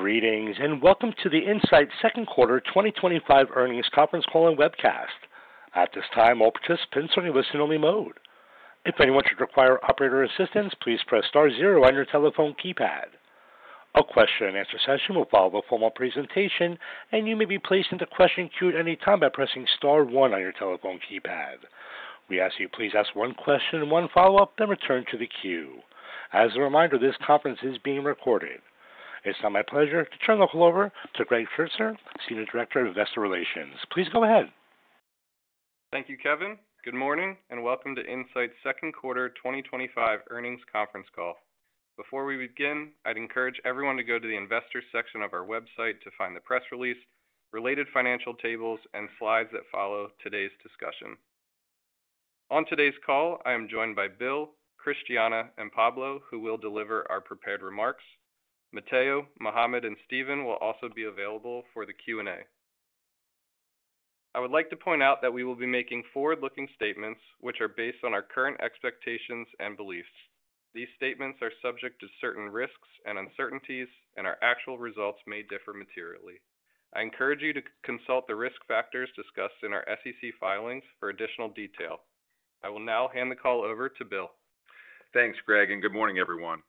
Greetings and welcome to the Incyte Second Quarter 2025 Earnings Conference Call and Webcast. At this time, all participants are in listen-only mode. If anyone should require operator assistance, please press *0 on your telephone keypad. A Q&A session will follow the formal presentation, and you may be placed into question queue at any time by pressing *1 on your telephone keypad. We ask that you please ask one question and one follow-up, then return to the queue. As a reminder, this conference is being recorded. It's now my pleasure to turn the call over to Greg Shertzer, Senior Director of Investor Relations. Please go ahead. Thank you, Kevin. Good morning and welcome to Incyte Second Quarter 2025 Earnings Conference Call. Before we begin, I'd encourage everyone to go to the Investor section of our website to find the press release, related financial tables, and slides that follow today's discussion. On today's call, I am joined by Bill, Christiana, and Pablo, who will deliver our prepared remarks. Matteo, Mohamed, and Steven will also be available for the Q&A. I would like to point out that we will be making forward-looking statements which are based on our current expectations and beliefs. These statements are subject to certain risks and uncertainties, and our actual results may differ materially. I encourage you to consult the risk factors discussed in our SEC filings for additional detail. I will now hand the call over to Bill. Thanks, Greg, and good morning, everyone.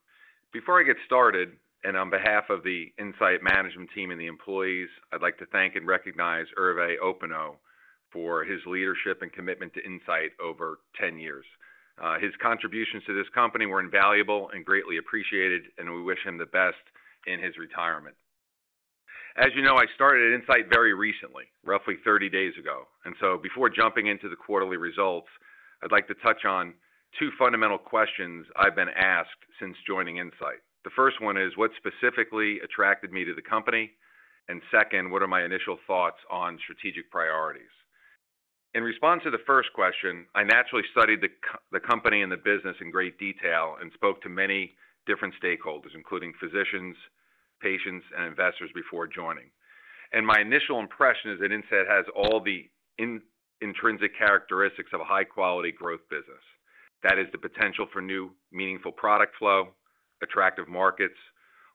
Before I get started, and on behalf of the Incyte management team and the employees, I'd like to thank and recognize Hervé Hoppenot for his leadership and commitment to Incyte over 10 years. His contributions to this company were invaluable and greatly appreciated, and we wish him the best in his retirement. As you know, I started at Incyte very recently, roughly 30 days ago. Before jumping into the quarterly results, I'd like to touch on two fundamental questions I've been asked since joining Incyte. The first one is, what specifically attracted me to the company? Second, what are my initial thoughts on strategic priorities? In response to the first question, I naturally studied the company and the business in great detail and spoke to many different stakeholders, including physicians, patients, and investors before joining. My initial impression is that Incyte has all the intrinsic characteristics of a high-quality growth business. That is, the potential for new, meaningful product flow, attractive markets,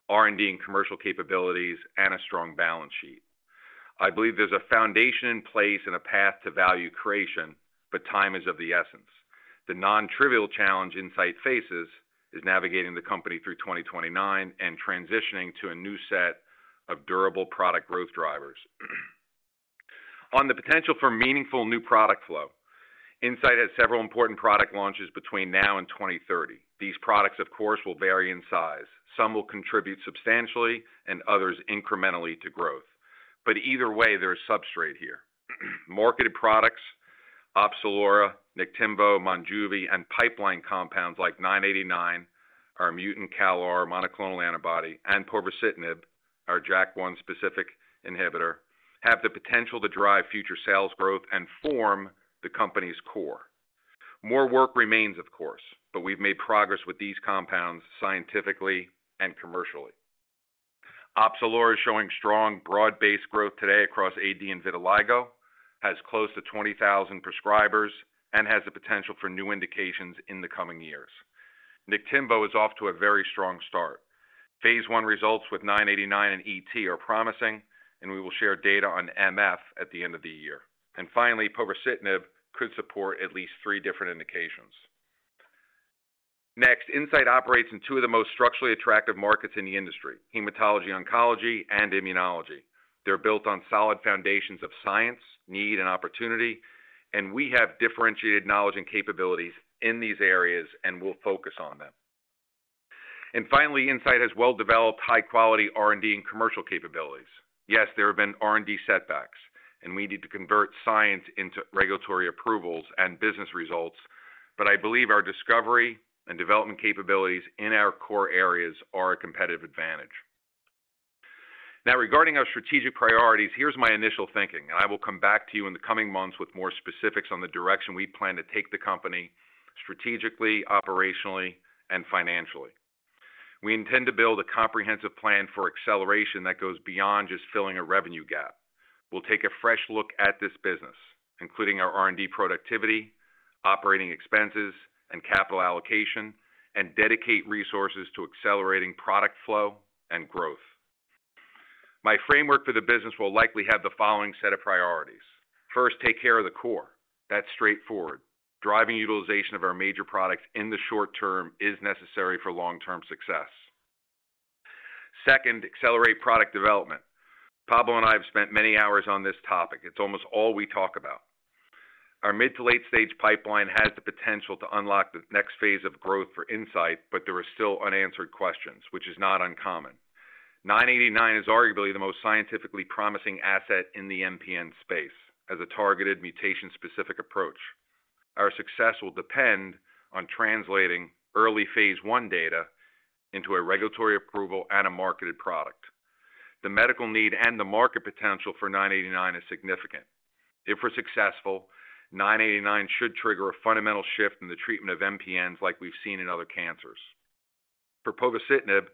R&D and commercial capabilities, and a strong balance sheet. I believe there's a foundation in place and a path to value creation, but time is of the essence. The non-trivial challenge Incyte faces is navigating the company through 2029 and transitioning to a new set of durable product growth drivers. On the potential for meaningful new product flow, Incyte has several important product launches between now and 2030. These products, of course, will vary in size. Some will contribute substantially and others incrementally to growth. Either way, there is substrate here. Marketed products—OPZELURA, Niktimvo, MONJUVI, and pipeline compounds like 989, our mutant CALR monoclonal antibody, and povorcitinib, our JAK1-specific inhibitor—have the potential to drive future sales growth and form the company's core. More work remains, of course, but we've made progress with these compounds scientifically and commercially. OPZELURA is showing strong broad-based growth today across AD and vitiligo, has close to 20,000 prescribers, and has the potential for new indications in the coming years. Niktimvo is off to a very strong start. Phase I results with 989 in essential thrombocythemia are promising, and we will share data on myelofibrosis at the end of the year. Finally, povorcitinib could support at least three different indications. Next, Incyte operates in two of the most structurally attractive markets in the industry: hematology-oncology and immunology. They are built on solid foundations of science, need, and opportunity, and we have differentiated knowledge and capabilities in these areas and will focus on them. Finally, Incyte has well-developed high-quality R&D and commercial capabilities. Yes, there have been R&D setbacks, and we need to convert science into regulatory approvals and business results, but I believe our discovery and development capabilities in our core areas are a competitive advantage. Now, regarding our strategic priorities, here is my initial thinking, and I will come back to you in the coming months with more specifics on the direction we plan to take the company strategically, operationally, and financially. We intend to build a comprehensive plan for acceleration that goes beyond just filling a revenue gap. We will take a fresh look at this business, including our R&D productivity, operating expenses, and capital allocation, and dedicate resources to accelerating product flow and growth. My framework for the business will likely have the following set of priorities. First, take care of the core. That is straightforward. Driving utilization of our major products in the short term is necessary for long-term success. Second, accelerate product development. Pablo and I have spent many hours on this topic. It is almost all we talk about. Our mid-to-late-stage pipeline has the potential to unlock the next phase of growth for Incyte, but there are still unanswered questions, which is not uncommon. 989 is arguably the most scientifically promising asset in the MPN space as a targeted mutation-specific approach. Our success will depend on translating early phase I data into a regulatory approval and a marketed product. The medical need and the market potential for 989 is significant. If we are successful, 989 should trigger a fundamental shift in the treatment of MPNs like we have seen in other cancers. For povorcitinib,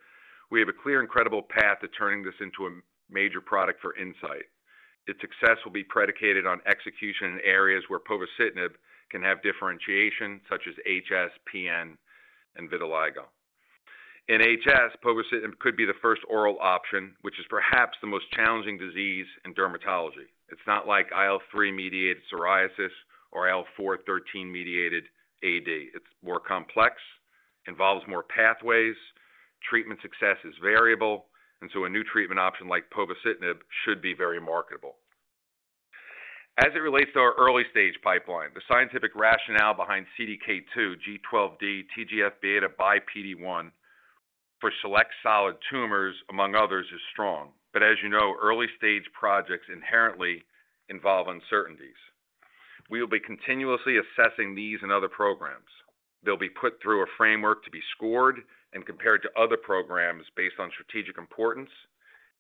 we have a clear and credible path to turning this into a major product for Incyte. Its success will be predicated on execution in areas where povorcitinib can have differentiation, such as HS, PN, and vitiligo. In HS, povorcitinib could be the first oral option, which is perhaps the most challenging disease in dermatology. It is not like IL-3-mediated psoriasis or IL-4-13-mediated AD. It's more complex, involves more pathways, treatment success is variable, and so a new treatment option like povorcitinib should be very marketable. As it relates to our early-stage pipeline, the scientific rationale behind CDK2, G12D, TGF-β/PD-1 for select solid tumors, among others, is strong. As you know, early-stage projects inherently involve uncertainties. We will be continuously assessing these and other programs. They'll be put through a framework to be scored and compared to other programs based on strategic importance,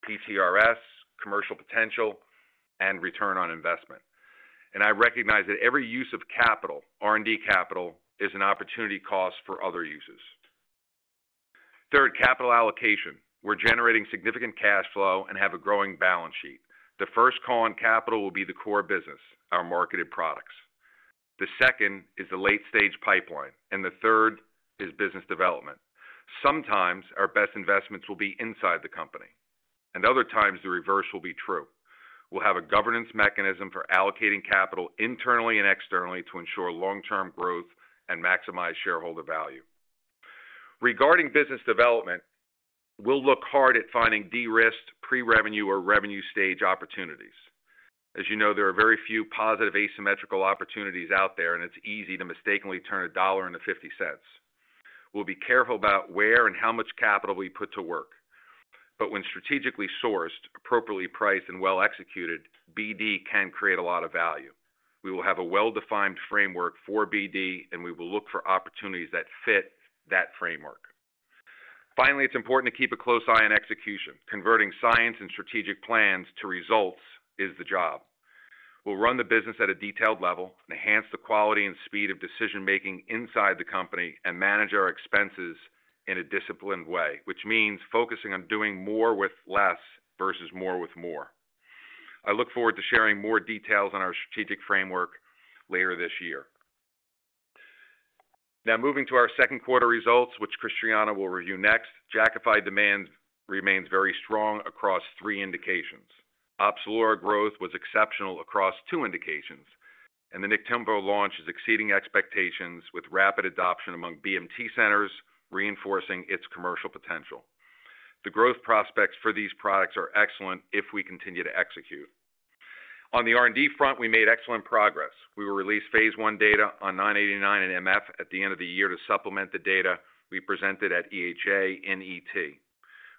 PTRS, commercial potential, and return on investment. I recognize that every use of capital, R&D capital, is an opportunity cost for other uses. Third, capital allocation. We're generating significant cash flow and have a growing balance sheet. The first call on capital will be the core business, our marketed products. The second is the late-stage pipeline, and the third is business development. Sometimes, our best investments will be inside the company, and other times, the reverse will be true. We'll have a governance mechanism for allocating capital internally and externally to ensure long-term growth and maximize shareholder value. Regarding business development, we'll look hard at finding de-risked, pre-revenue, or revenue-stage opportunities. As you know, there are very few positive asymmetrical opportunities out there, and it's easy to mistakenly turn a $1 into $0.50. We'll be careful about where and how much capital we put to work. When strategically sourced, appropriately priced, and well-executed, BD can create a lot of value. We will have a well-defined framework for BD, and we will look for opportunities that fit that framework. Finally, it's important to keep a close eye on execution. Converting science and strategic plans to results is the job. We'll run the business at a detailed level, enhance the quality and speed of decision-making inside the company, and manage our expenses in a disciplined way, which means focusing on doing more with less versus more with more. I look forward to sharing more details on our strategic framework later this year. Now, moving to our second quarter results, which Christiana will review next, Jakafi demand remains very strong across three indications. OPZELURA growth was exceptional across two indications, and the Niktimvo launch is exceeding expectations with rapid adoption among BMT centers, reinforcing its commercial potential. The growth prospects for these products are excellent if we continue to execute. On the R&D front, we made excellent progress. We will release phase I data on 989 and MF at the end of the year to supplement the data we presented at EHA and ET.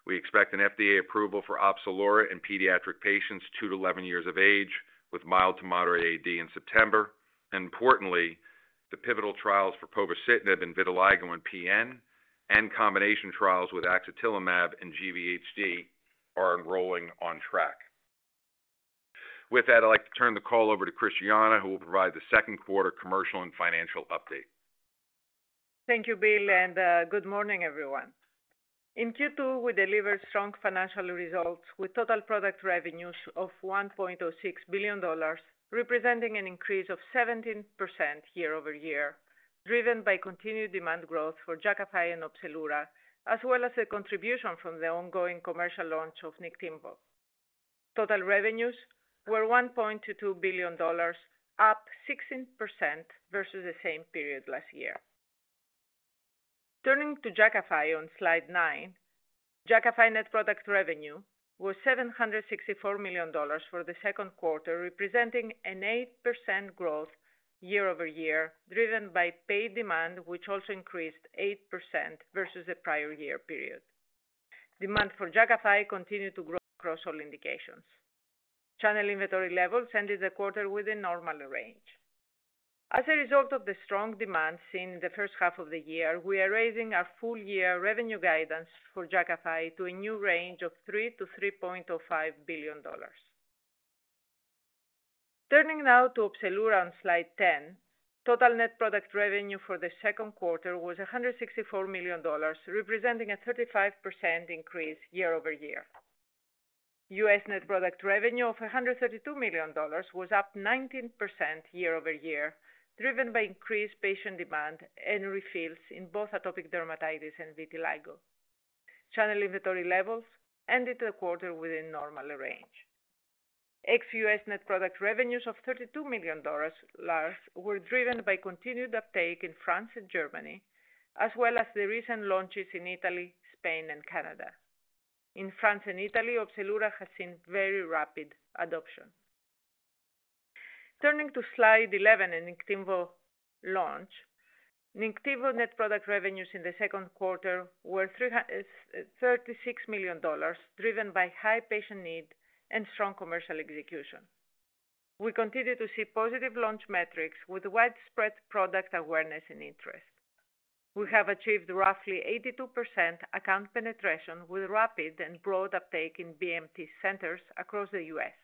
We expect an FDA approval for OPZELURA in pediatric patients 2 to 11 years of age with mild to moderate AD in September. Importantly, the pivotal trials for povorcitinib in vitiligo and PN and combination trials with axatilimab in GVHD are enrolling on track. With that, I'd like to turn the call over to Christiana, who will provide the second quarter commercial and financial update. Thank you, Bill, and good morning, everyone. In Q2, we delivered strong financial results with total product revenues of $1.06 billion, representing an increase of 17% year-over-year, driven by continued demand growth for Jakafi and OPZELURA, as well as the contribution from the ongoing commercial launch of Niktimvo. Total revenues were $1.22 billion, up 16% versus the same period last year. Turning to Jakafi on slide nine, Jakafi's net product revenue was $764 million for the second quarter, representing an 8% growth year-over-year, driven by paid-demand, which also increased 8% versus the prior year period. Demand for Jakafi continued to grow across all indications. Channel inventory levels ended the quarter within normal range. As a result of the strong demand seen in the first half of the year, we are raising our full-year revenue guidance for Jakafi to a new range of $3-$3.05 billion. Turning now to OPZELURA on slide 10, total net product revenue for the second quarter was $164 million, representing a 35% increase year-over-year. U.S. net product revenue of $132 million was up 19% year-over-year, driven by increased patient demand and refills in both atopic dermatitis and vitiligo. Channel inventory levels ended the quarter within normal range. Ex-U.S. net product revenues of $32 million were driven by continued uptake in France and Germany, as well as the recent launches in Italy, Spain, and Canada. In France and Italy, OPZELURA has seen very rapid adoption. Turning to slide 11 and Niktimvo launch, Niktimvo net product revenues in the second quarter were $36 million, driven by high patient need and strong commercial execution. We continue to see positive launch metrics with widespread product awareness and interest. We have achieved roughly 82% account penetration with rapid and broad uptake in BMT centers across the U.S..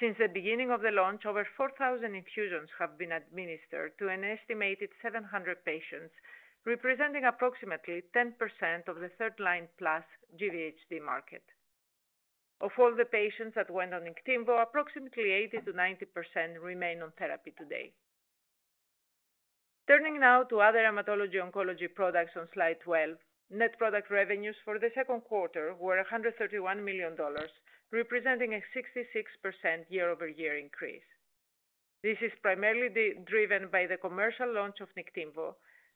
Since the beginning of the launch, over 4,000 infusions have been administered to an estimated 700 patients, representing approximately 10% of the third-line plus GVHD market. Of all the patients that went on Niktimvo, approximately 80-90% remain on therapy today. Turning now to other hematology-oncology products on slide 12, net product revenues for the second quarter were $131 million, representing a 66% year-over-year increase. This is primarily driven by the commercial launch of Niktimvo,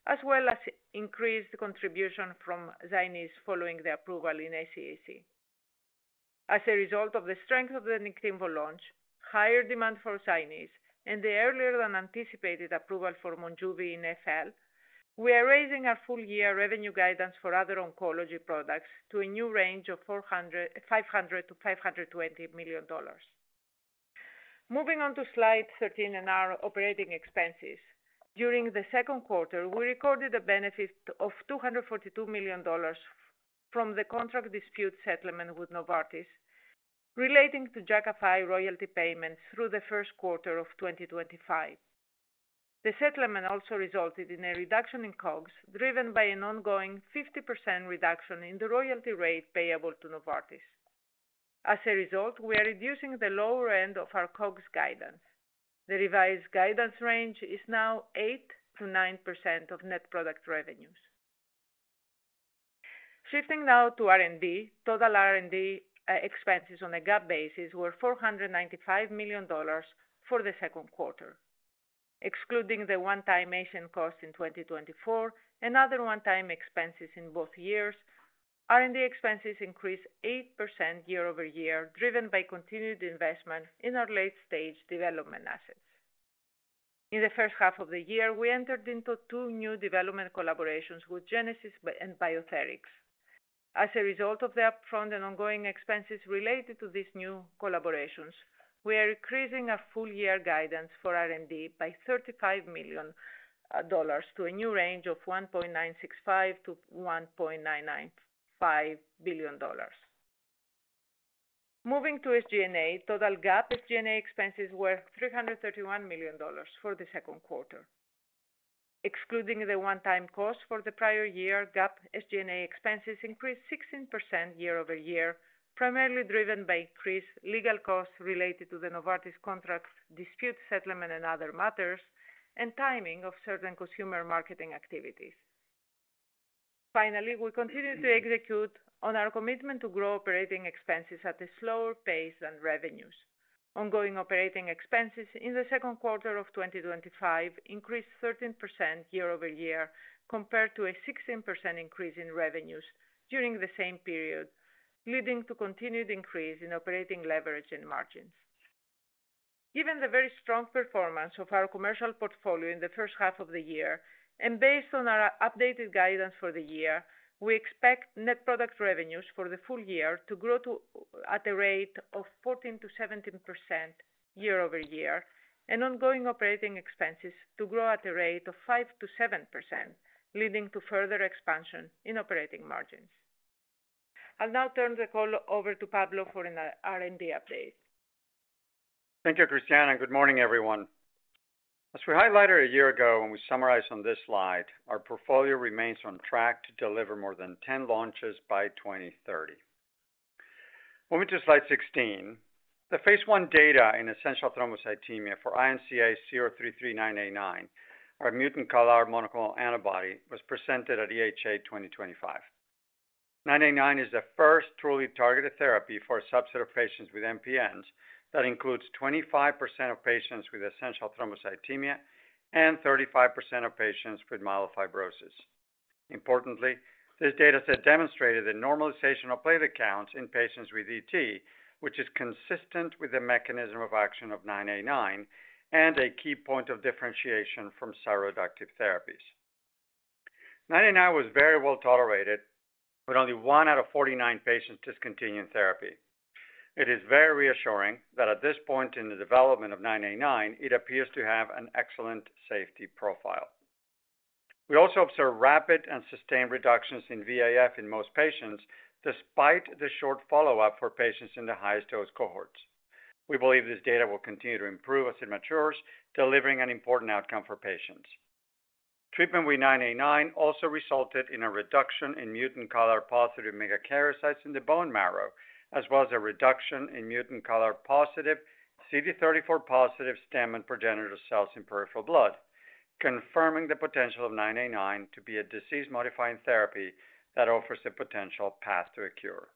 as well as increased contribution from Zynyz following the approval in SCAC. As a result of the strength of the Niktimvo launch, higher demand for Zynyz, and the earlier-than-anticipated approval for MONJUVI in FL, we are raising our full-year revenue guidance for other oncology products to a new range of $500-$520 million. Moving on to slide 13 and our operating expenses, during the second quarter, we recorded a benefit of $242 million from the contract dispute settlement with Novartis relating to Jakafi royalty payments through the first quarter of 2025. The settlement also resulted in a reduction in COGS, driven by an ongoing 50% reduction in the royalty rate payable to Novartis. As a result, we are reducing the lower end of our COGS guidance. The revised guidance range is now 8-9% of net product revenues. Shifting now to R&D, total R&D expenses on a GAAP basis were $495 million for the second quarter. Excluding the one-time Asian cost in 2024 and other one-time expenses in both years, R&D expenses increased 8% year-over-year, driven by continued investment in our late-stage development assets. In the first half of the year, we entered into two new development collaborations with Genesis and BioTheryx. As a result of the upfront and ongoing expenses related to these new collaborations, we are increasing our full-year guidance for R&D by $35 million to a new range of $1.965-$1.995 billion. Moving to SG&A, total GAAP SG&A expenses were $331 million for the second quarter. Excluding the one-time cost for the prior year, GAAP SG&A expenses increased 16% year-over-year, primarily driven by increased legal costs related to the Novartis contract dispute settlement and other matters, and timing of certain consumer marketing activities. Finally, we continue to execute on our commitment to grow operating expenses at a slower pace than revenues. Ongoing operating expenses in the second quarter of 2025 increased 13% year-over-year compared to a 16% increase in revenues during the same period, leading to continued increase in operating leverage and margins. Given the very strong performance of our commercial portfolio in the first half of the year, and based on our updated guidance for the year, we expect net product revenues for the full year to grow at a rate of 14%-17% year-over-year, and ongoing operating expenses to grow at a rate of 5%-7%, leading to further expansion in operating margins. I'll now turn the call over to Pablo for an R&D update. Thank you, Christiana. Good morning, everyone. As we highlighted a year ago when we summarized on this slide, our portfolio remains on track to deliver more than 10 launches by 2030. Moving to slide 16, the phase I data in essential thrombocythemia for INCA033989, our mutant CALR monoclonal antibody, was presented at EHA 2025. 989 is the first truly targeted therapy for a subset of patients with MPNs that includes 25% of patients with essential thrombocythemia and 35% of patients with myelofibrosis. Importantly, this data set demonstrated the normalization of platelet counts in patients with ET, which is consistent with the mechanism of action of 989 and a key point of differentiation from cytoreductive therapies. 989 was very well tolerated, with only 1 out of 49 patients discontinuing therapy. It is very reassuring that at this point in the development of 989, it appears to have an excellent safety profile. We also observe rapid and sustained reductions in VAF in most patients, despite the short follow-up for patients in the highest dose cohorts. We believe this data will continue to improve as it matures, delivering an important outcome for patients. Treatment with 989 also resulted in a reduction in mutant CALR positive megakaryocytes in the bone marrow, as well as a reduction in mutant CALR positive CD34 positive stem and progenitor cells in peripheral blood, confirming the potential of 989 to be a disease-modifying therapy that offers a potential path to a cure.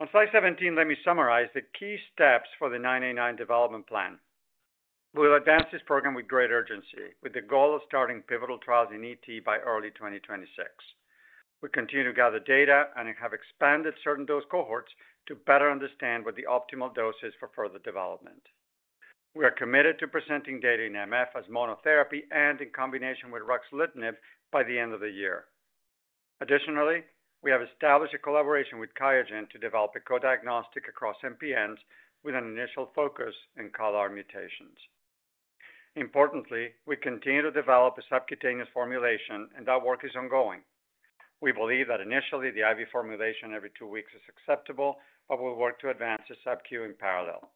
On slide 17, let me summarize the key steps for the 989 development plan. We will advance this program with great urgency, with the goal of starting pivotal trials in ET by early 2026. We continue to gather data and have expanded certain dose cohorts to better understand what the optimal dose is for further development. We are committed to presenting data in MF as monotherapy and in combination with ruxolitinib by the end of the year. Additionally, we have established a collaboration with QIAGEN to develop a co-diagnostic across MPNs with an initial focus in CALR mutations. Importantly, we continue to develop a subcutaneous formulation, and that work is ongoing. We believe that initially, the IV formulation every two weeks is acceptable, but we'll work to advance the subQ in parallel.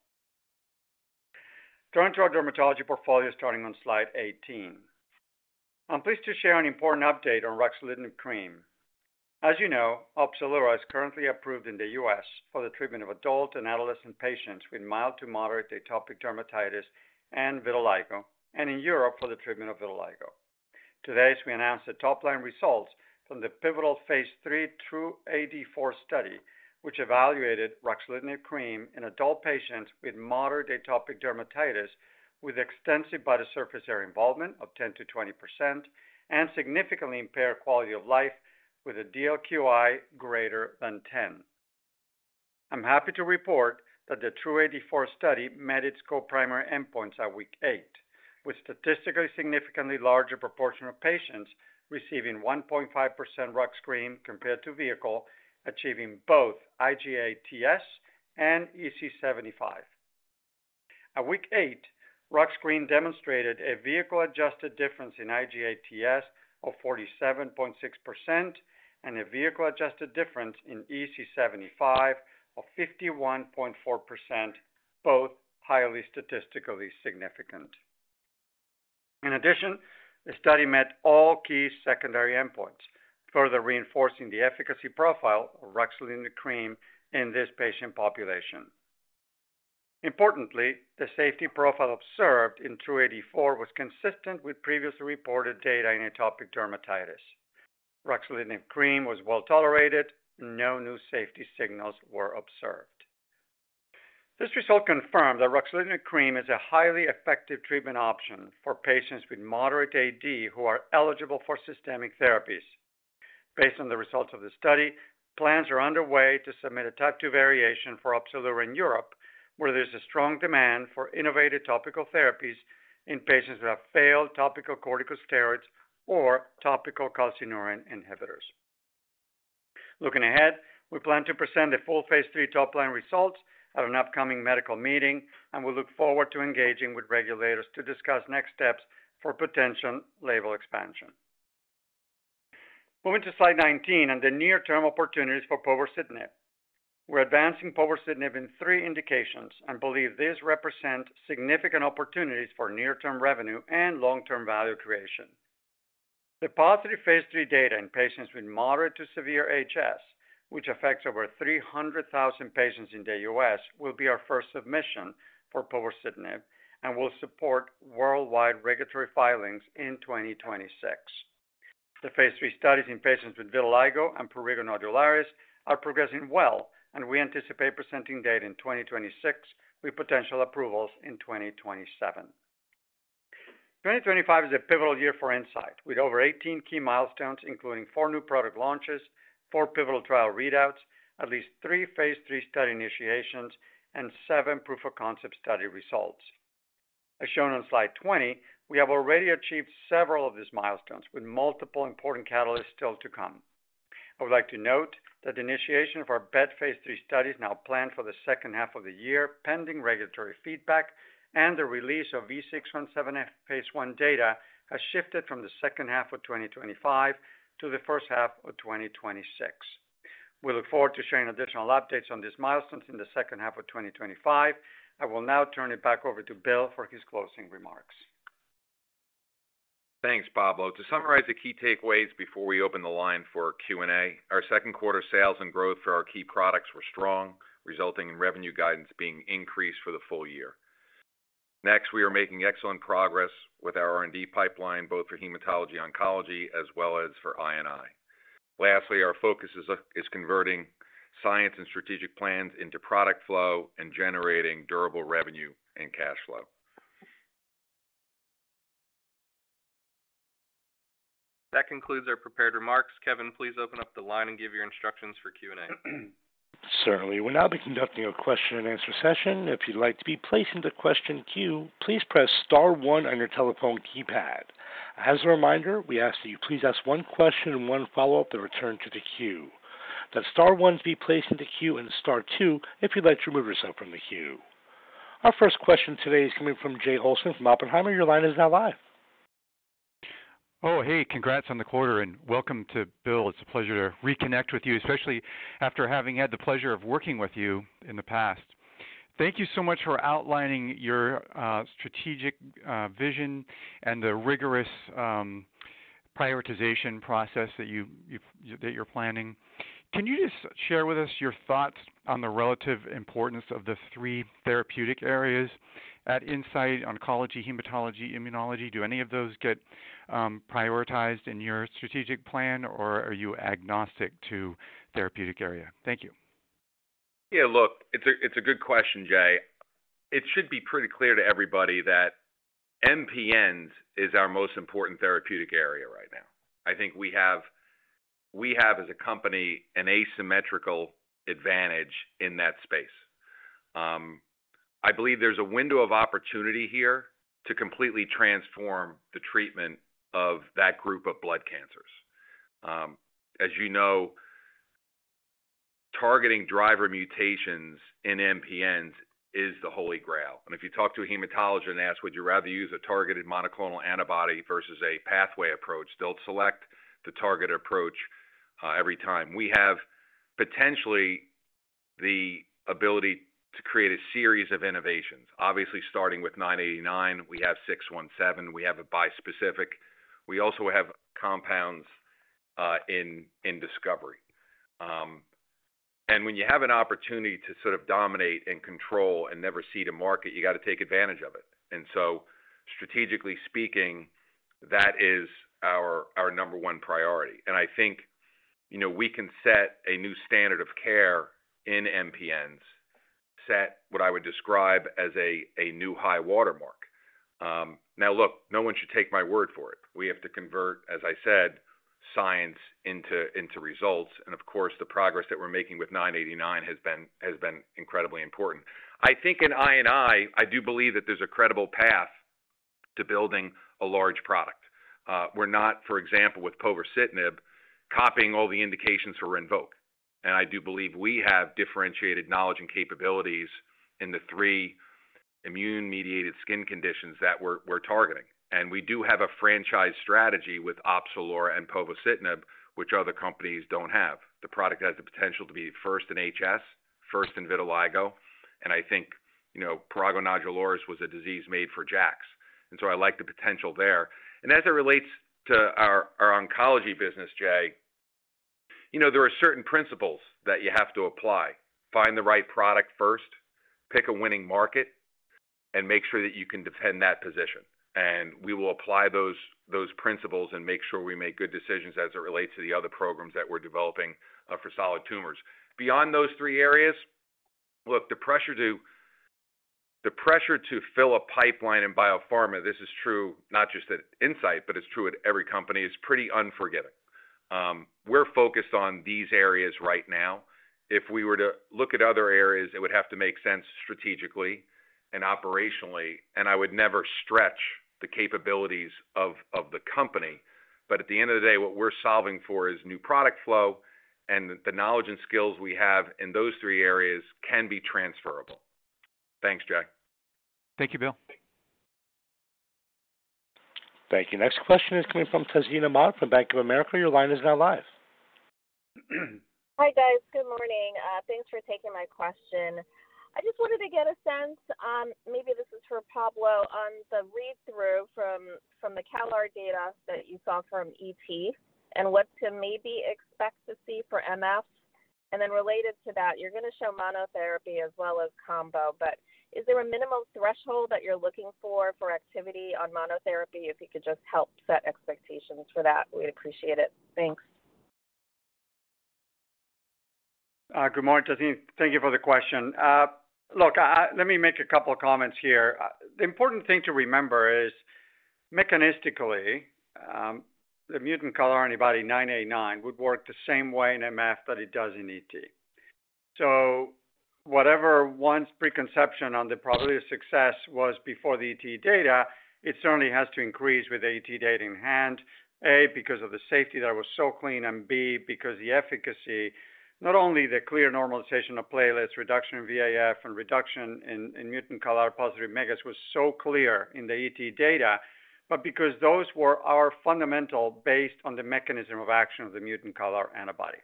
Turning to our dermatology portfolio starting on slide 18. I'm pleased to share an important update on ruxolitinib cream. As you know, OPZELURA is currently approved in the U.S. for the treatment of adult and adolescent patients with mild to moderate atopic dermatitis and vitiligo, and in Europe for the treatment of vitiligo. Today, we announced the top-line results from the pivotal phase III TRuE-AD4 study, which evaluated ruxolitinib cream in adult patients with moderate atopic dermatitis with extensive body surface area involvement of 10%-20% and significantly impaired quality of life with a DLQI greater than 10. I'm happy to report that the TRuE-AD4 study met its co-primary endpoints at week eight, with a statistically significantly larger proportion of patients receiving 1.5% ruxolitinib cream compared to vehicle, achieving both IGA-TS and EASI-75. At week eight, ruxolitinib cream demonstrated a vehicle-adjusted difference in IGA-TS of 47.6% and a vehicle-adjusted difference in EASI-75 of 51.4%, both highly statistically significant. In addition, the study met all key secondary endpoints, further reinforcing the efficacy profile of ruxolitinib cream in this patient population. Importantly, the safety profile observed in TRuE-AD4 was consistent with previously reported data in atopic dermatitis. Ruxolitinib cream was well tolerated, and no new safety signals were observed. This result confirmed that ruxolitinib cream is a highly effective treatment option for patients with moderate AD who are eligible for systemic therapies. Based on the results of the study, plans are underway to submit a type II variation for OPZELURA in Europe, where there's a strong demand for innovative topical therapies in patients that have failed topical corticosteroids or topical calcineurin inhibitors. Looking ahead, we plan to present the full phase III top-line results at an upcoming medical meeting, and we look forward to engaging with regulators to discuss next steps for potential label expansion. Moving to slide 19 and the near-term opportunities for povorcitinib. We're advancing povorcitinib in three indications and believe these represent significant opportunities for near-term revenue and long-term value creation. The positive phase III data in patients with moderate to severe HS, which affects over 300,000 patients in the U.S., will be our first submission for povorcitinib and will support worldwide regulatory filings in 2026. The phase III studies in patients with vitiligo and prurigo nodularis are progressing well, and we anticipate presenting data in 2026 with potential approvals in 2027. 2025 is a pivotal year for Incyte, with over 18 key milestones, including four new product launches, four pivotal trial readouts, at least three phase III study initiations, and seven proof-of-concept study results. As shown on slide 20, we have already achieved several of these milestones with multiple important catalysts still to come. I would like to note that the initiation of our BET phase III study is now planned for the second half of the year, pending regulatory feedback, and the release of V617F phase I data has shifted from the second half of 2025 to the first half of 2026. We look forward to sharing additional updates on these milestones in the second half of 2025. I will now turn it back over to Bill for his closing remarks. Thanks, Pablo. To summarize the key takeaways before we open the line for Q&A, our second quarter sales and growth for our key products were strong, resulting in revenue guidance being increased for the full year. Next, we are making excellent progress with our R&D pipeline, both for hematology-oncology as well as for INI. Lastly, our focus is converting science and strategic plans into product flow and generating durable revenue and cash flow. That concludes our prepared remarks. Kevin, please open up the line and give your instructions for Q&A. Certainly. We'll now be conducting a Q&A session. If you'd like to be placed into the question queue, please press *1 on your telephone keypad. As a reminder, we ask that you please ask one question and one follow-up to return to the queue. That is *1 to be placed into the queue and *2 if you'd like to remove yourself from the queue. Our first question today is coming from Jay Olson from Oppenheimer. Your line is now live. Oh, hey. Congrats on the quarter, and welcome to Bill. It's a pleasure to reconnect with you, especially after having had the pleasure of working with you in the past. Thank you so much for outlining your strategic vision and the rigorous prioritization process that you're planning. Can you just share with us your thoughts on the relative importance of the three therapeutic areas at Incyte, oncology, hematology, immunology? Do any of those get prioritized in your strategic plan, or are you agnostic to the therapeutic area? Thank you. Yeah, look, it's a good question, Jay. It should be pretty clear to everybody that MPNs is our most important therapeutic area right now. I think we have, as a company, an asymmetrical advantage in that space. I believe there's a window of opportunity here to completely transform the treatment of that group of blood cancers. As you know, targeting driver mutations in MPNs is the holy grail. And if you talk to a hematologist and ask, "Would you rather use a targeted monoclonal antibody versus a pathway approach?" they'll select the target approach every time. We have potentially the ability to create a series of innovations. Obviously, starting with 989, we have 617. We have a bispecific. We also have compounds in discovery. When you have an opportunity to sort of dominate and control and never cede the market, you got to take advantage of it. Strategically speaking, that is our number one priority. I think we can set a new standard of care in MPNs, set what I would describe as a new high watermark. Now, look, no one should take my word for it. We have to convert, as I said, science into results. Of course, the progress that we're making with 989 has been incredibly important. I think in INI, I do believe that there's a credible path to building a large product. We're not, for example, with povorcitinib, copying all the indications for Rinvoq. I do believe we have differentiated knowledge and capabilities in the three immune-mediated skin conditions that we're targeting. We do have a franchise strategy with OPZELURA and povorcitinib, which other companies don't have. The product has the potential to be first in HS, first in vitiligo, and I think prurigo nodularis was a disease made for JAKs. I like the potential there. As it relates to our oncology business, Jay, there are certain principles that you have to apply. Find the right product first, pick a winning market, and make sure that you can defend that position. We will apply those principles and make sure we make good decisions as it relates to the other programs that we're developing for solid tumors. Beyond those three areas, look, the pressure to fill a pipeline in biopharma, this is true not just at Incyte, but it's true at every company, is pretty unforgiving. We're focused on these areas right now. If we were to look at other areas, it would have to make sense strategically and operationally. I would never stretch the capabilities of the company. At the end of the day, what we're solving for is new product flow, and the knowledge and skills we have in those three areas can be transferable. Thanks, Jay. Thank you, Bill. Thank you. Next question is coming from Tazeen Ahmad from Bank of America. Your line is now live. Hi, guys. Good morning. Thanks for taking my question. I just wanted to get a sense, maybe this is for Pablo, on the read-through from the CALR data that you saw from ET and what to maybe expect to see for MF. And then related to that, you're going to show monotherapy as well as combo, but is there a minimal threshold that you're looking for for activity on monotherapy? If you could just help set expectations for that, we'd appreciate it. Thanks. Good morning, Tazeen. Thank you for the question. Look, let me make a couple of comments here. The important thing to remember is, mechanistically, the mutant CALR antibody 989 would work the same way in MF that it does in ET. So whatever one's preconception on the probability of success was before the ET data, it certainly has to increase with the ET data in hand, A, because of the safety that was so clean, and B, because the efficacy, not only the clear normalization of platelets, reduction in VAF, and reduction in mutant CALR-positive mega was so clear in the ET data, but because those were fundamental based on the mechanism of action of the mutant CALR antibody.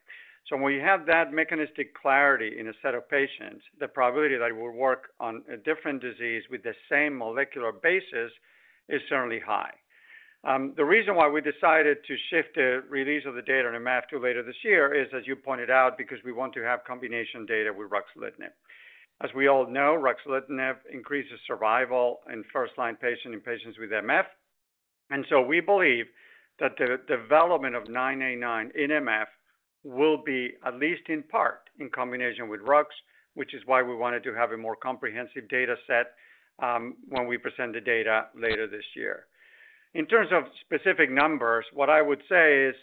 When you have that mechanistic clarity in a set of patients, the probability that it will work on a different disease with the same molecular basis is certainly high. The reason why we decided to shift the release of the data in MF to later this year is, as you pointed out, because we want to have combination data with ruxolitinib. As we all know, ruxolitinib increases survival in first-line patients in patients with MF. We believe that the development of 989 in MF will be at least in part in combination with rux, which is why we wanted to have a more comprehensive data set when we present the data later this year. In terms of specific numbers, what I would say is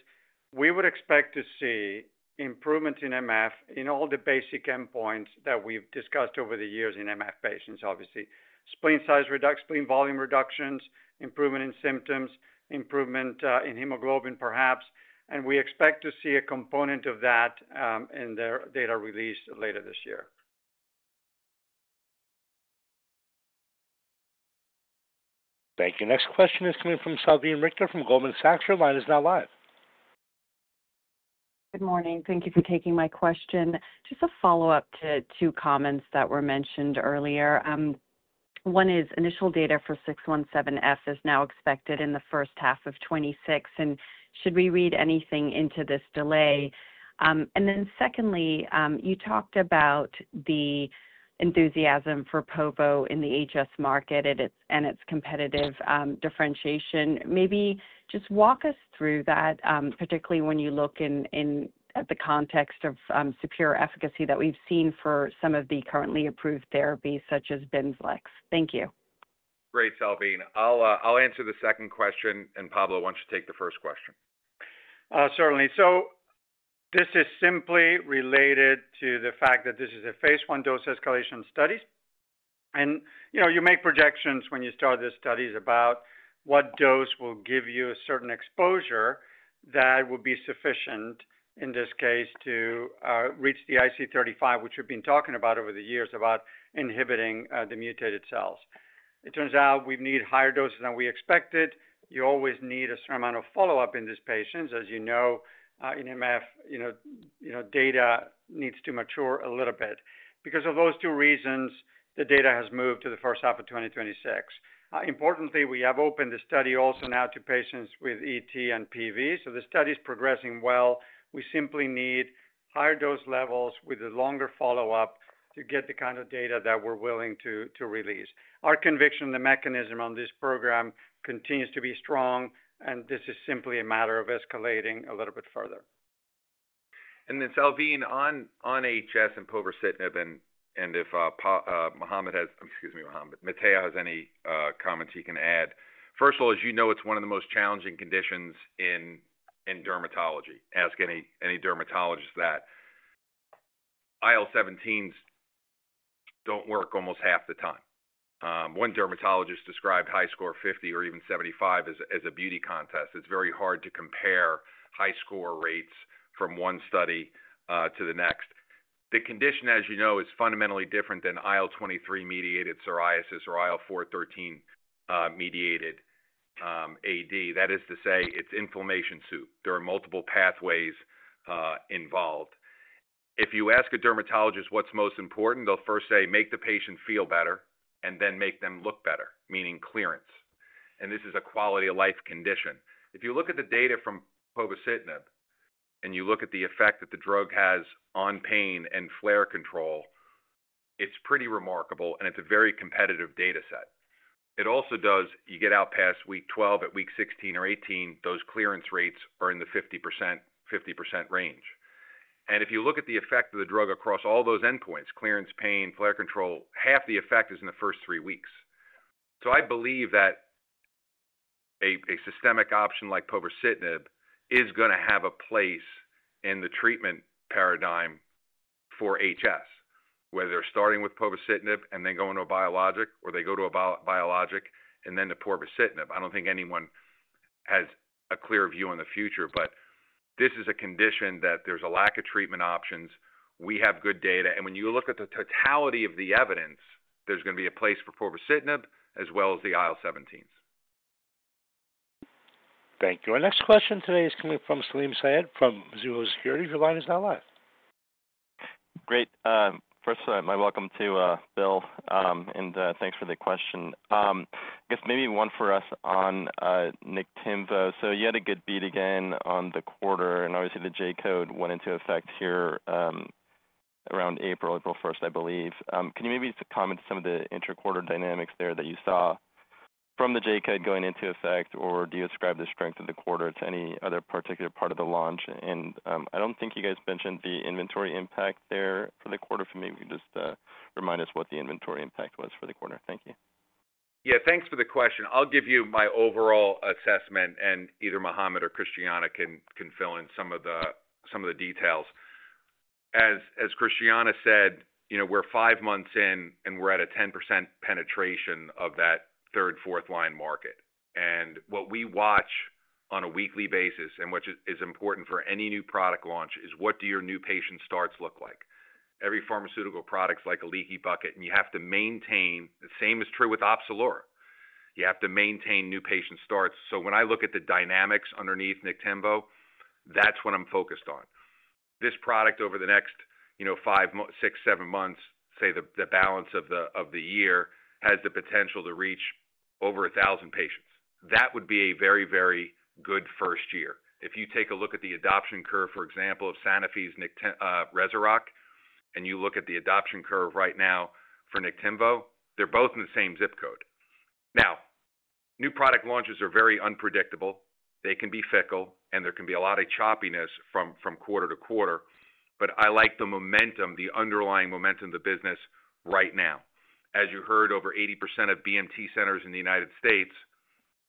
we would expect to see improvements in MF in all the basic endpoints that we've discussed over the years in MF patients, obviously. Spleen size reduction, spleen volume reductions, improvement in symptoms, improvement in hemoglobin, perhaps. We expect to see a component of that in their data release later this year. Thank you. Next question is coming from Salveen Richter from Goldman Sachs. Your line is now live. Good morning. Thank you for taking my question. Just a follow-up to two comments that were mentioned earlier. One is initial data for 617F is now expected in the first half of 2026, and should we read anything into this delay? Then secondly, you talked about the enthusiasm for povo in the HS market and its competitive differentiation. Maybe just walk us through that, particularly when you look at the context of superior efficacy that we've seen for some of the currently approved therapies such as BIMZLEX. Thank you. Great, Salvine. I'll answer the second question, and Pablo wants to take the first question. Certainly. This is simply related to the fact that this is a phase I dose escalation study. You make projections when you start the studies about what dose will give you a certain exposure that will be sufficient in this case to reach the IC35, which we've been talking about over the years about inhibiting the mutated cells. It turns out we need higher doses than we expected. You always need a certain amount of follow-up in these patients. As you know, in MF, data needs to mature a little bit. Because of those two reasons, the data has moved to the first half of 2026. Importantly, we have opened the study also now to patients with ET and PV. The study is progressing well. We simply need higher dose levels with a longer follow-up to get the kind of data that we're willing to release. Our conviction in the mechanism on this program continues to be strong, and this is simply a matter of escalating a little bit further. Then Salvine, on HS and povorcitinib, and if Mohamed has—excuse me, Mohamed—Matteo has any comments he can add. First of all, as you know, it's one of the most challenging conditions in dermatology. Ask any dermatologist that, IL-17s don't work almost half the time. One dermatologist described HiSCR 50 or even 75 as a beauty contest. It's very hard to compare HiSCR rates from one study to the next. The condition, as you know, is fundamentally different than IL-23 mediated psoriasis or IL-4/13 mediated AD. That is to say, it's inflammation soup. There are multiple pathways involved. If you ask a dermatologist what's most important, they'll first say, "Make the patient feel better," and then make them look better, meaning clearance. This is a quality of life condition. If you look at the data from povorcitinib and you look at the effect that the drug has on pain and flare control, it's pretty remarkable, and it's a very competitive data set. It also does—you get out past week 12. At week 16 or 18, those clearance rates are in the 50% range. If you look at the effect of the drug across all those endpoints, clearance, pain, flare control, half the effect is in the first three weeks. I believe that a systemic option like povorcitinib is going to have a place in the treatment paradigm for HS, whether they're starting with povorcitinib and then going to a biologic, or they go to a biologic and then to povorcitinib. I don't think anyone has a clear view on the future, but this is a condition that there's a lack of treatment options. We have good data, and when you look at the totality of the evidence, there's going to be a place for povorcitinib as well as the IL-17s. Thank you. Our next question today is coming from Salim Syed from Mizuho Security. Your line is now live. Great. First of all, my welcome to Bill, and thanks for the question. I guess maybe one for us on Niktimvo. You had a good beat again on the quarter, and obviously the J code went into effect here around April, April 1, I believe. Can you maybe comment to some of the interquarter dynamics there that you saw from the J code going into effect, or do you ascribe the strength of the quarter to any other particular part of the launch? I don't think you guys mentioned the inventory impact there for the quarter. Can you just remind us what the inventory impact was for the quarter? Thank you. Yeah, thanks for the question. I'll give you my overall assessment, and either Mohamed or Christiana can fill in some of the details. As Christiana said, we're five months in, and we're at a 10% penetration of that third, fourth-line market. And what we watch on a weekly basis, and which is important for any new product launch, is what do your new patient starts look like? Every pharmaceutical product is like a leaky bucket, and you have to maintain—the same is true with OPZELURA. You have to maintain new patient starts. So when I look at the dynamics underneath Niktimvo, that's what I'm focused on. This product over the next six, seven months, say the balance of the year, has the potential to reach over 1,000 patients. That would be a very, very good first year. If you take a look at the adoption curve, for example, of Sanofi's REZUROCK, and you look at the adoption curve right now for Niktimvo, they're both in the same zip code. Now, new product launches are very unpredictable. They can be fickle, and there can be a lot of choppiness from quarter to quarter. But I like the momentum, the underlying momentum of the business right now. As you heard, over 80% of BMT centers in the United States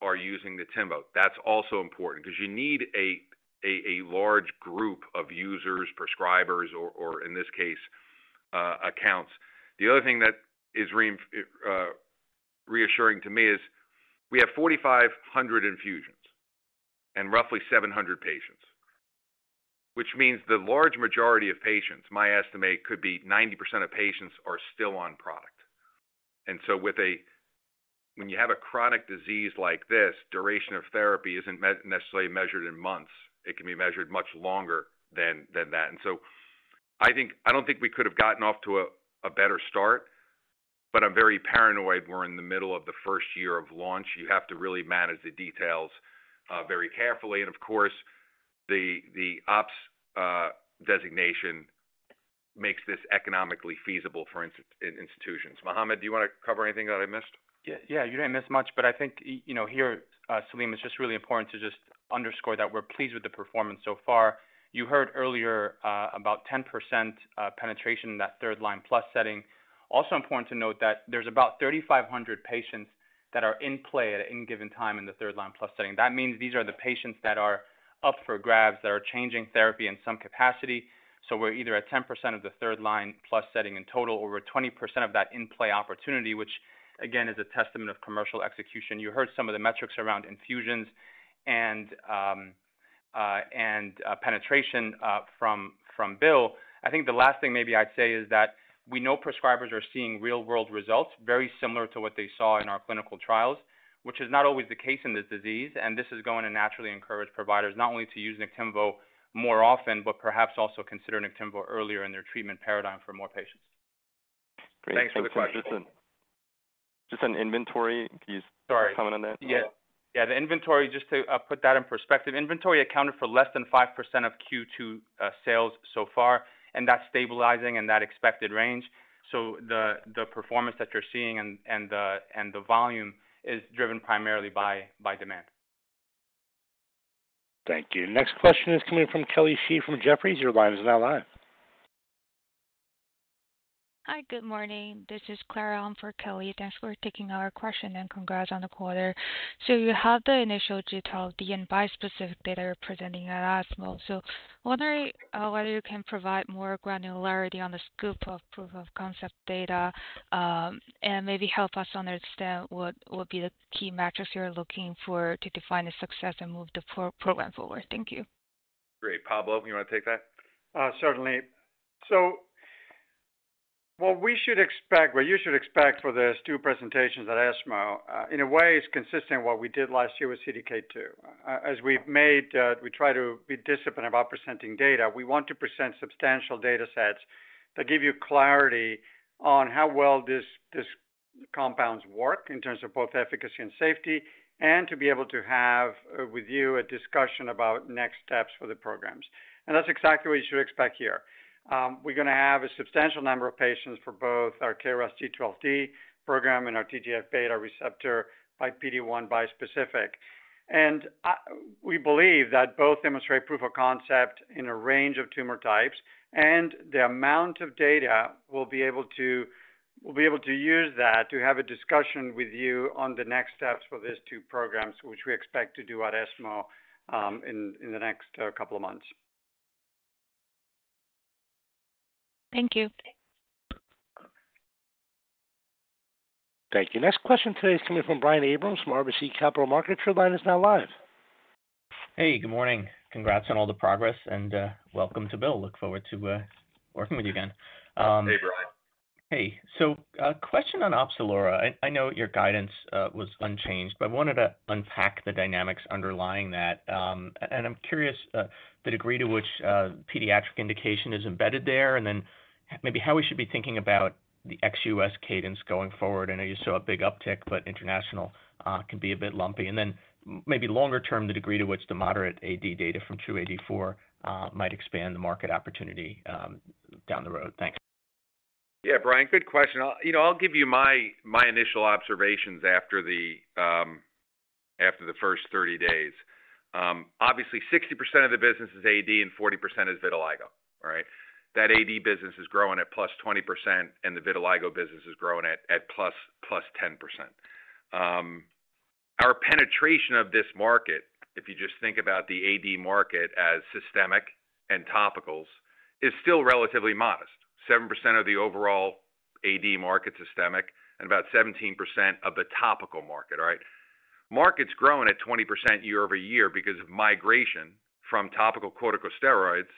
are using Niktimvo. That's also important because you need a large group of users, prescribers, or in this case, accounts. The other thing that is reassuring to me is we have 4,500 infusions and roughly 700 patients. Which means the large majority of patients, my estimate could be 90% of patients, are still on product. And when you have a chronic disease like this, duration of therapy isn't necessarily measured in months. It can be measured much longer than that. I don't think we could have gotten off to a better start. I'm very paranoid we're in the middle of the first year of launch. You have to really manage the details very carefully. Of course, the ops designation makes this economically feasible for institutions. Mohamed, do you want to cover anything that I missed? Yeah, you didn't miss much, but I think here, Salim, it's just really important to just underscore that we're pleased with the performance so far. You heard earlier about 10% penetration in that third-line plus setting. Also important to note that there's about 3,500 patients that are in play at any given time in the third-line plus setting. That means these are the patients that are up for grabs, that are changing therapy in some capacity. We're either at 10% of the third-line plus setting in total, or we're 20% of that in-play opportunity, which again is a testament of commercial execution. You heard some of the metrics around infusions and penetration from Bill. I think the last thing maybe I'd say is that we know prescribers are seeing real-world results very similar to what they saw in our clinical trials, which is not always the case in this disease. This is going to naturally encourage providers not only to use Niktimvo more often, but perhaps also consider Niktimvo earlier in their treatment paradigm for more patients. Thanks for the question. Just on inventory, can you comment on that? Yeah. Yeah, the inventory, just to put that in perspective, inventory accounted for less than 5% of Q2 sales so far, and that's stabilizing in that expected range. The performance that you're seeing and the volume is driven primarily by demand. Thank you. Next question is coming from Kelly Shea from Jefferies. Your line is now live. Hi, good morning. This is Claire on for Kelly. Thanks for taking our question and congrats on the quarter. You have the initial G12D and bi-specific data you are presenting at last month. I wonder whether you can provide more granularity on the scope of proof of concept data? Maybe help us understand what would be the key metrics you are looking for to define the success and move the program forward? Thank you. Great. Pablo, you want to take that? Certainly. What we should expect, what you should expect for the two presentations that I asked about, in a way, is consistent with what we did last year with CDK2. As we've made, we try to be disciplined about presenting data. We want to present substantial data sets that give you clarity on how well these compounds work in terms of both efficacy and safety, and to be able to have with you a discussion about next steps for the programs. That is exactly what you should expect here. We are going to have a substantial number of patients for both our KRAS G12D program and our TGF beta receptor by PD-1 bi-specific. We believe that both demonstrate proof of concept in a range of tumor types, and the amount of data we will be able to use to have a discussion with you on the next steps for these two programs, which we expect to do at ESMO in the next couple of months. Thank you. Thank you. Next question today is coming from Brian Abhrahams from RBC Capital Markets. Your line is now live. Hey, good morning. Congrats on all the progress, and welcome to Bill. Look forward to working with you again. Hey, Brian. Hey. A question on OPZELURA. I know your guidance was unchanged, but I wanted to unpack the dynamics underlying that. I'm curious the degree to which pediatric indication is embedded there, and then maybe how we should be thinking about the ex-U.S. cadence going forward? I know you saw a big uptick, but international can be a bit lumpy. Then maybe longer term, the degree to which the moderate AD data from 284 might expand the market opportunity down the road? Thanks. Yeah, Brian, good question. I'll give you my initial observations after the first 30 days. Obviously, 60% of the business is AD and 40% is vitiligo, right? That AD business is growing at plus 20%, and the vitiligo business is growing at plus 10%. Our penetration of this market, if you just think about the AD market as systemic and topicals, is still relatively modest. 7% of the overall AD market is systemic, and about 17% of the topical market, right? Market's growing at 20% year-over-year because of migration from topical corticosteroids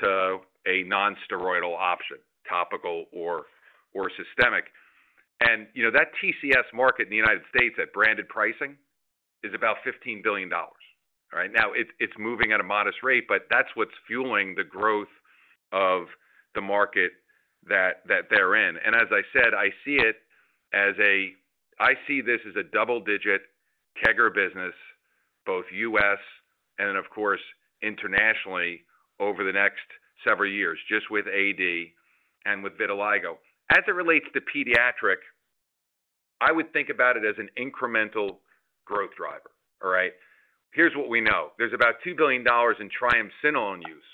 to a non-steroidal option, topical or systemic. That TCS market in the United States at branded pricing is about $15 billion, right? Now, it's moving at a modest rate, but that's what's fueling the growth of the market that they're in. I see this as a double-digit CAGR business, both U.S. and then, of course, internationally over the next several years, just with AD and with vitiligo. As it relates to pediatric, I would think about it as an incremental growth driver, all right? Here's what we know. There's about $2 billion in triamcinolone use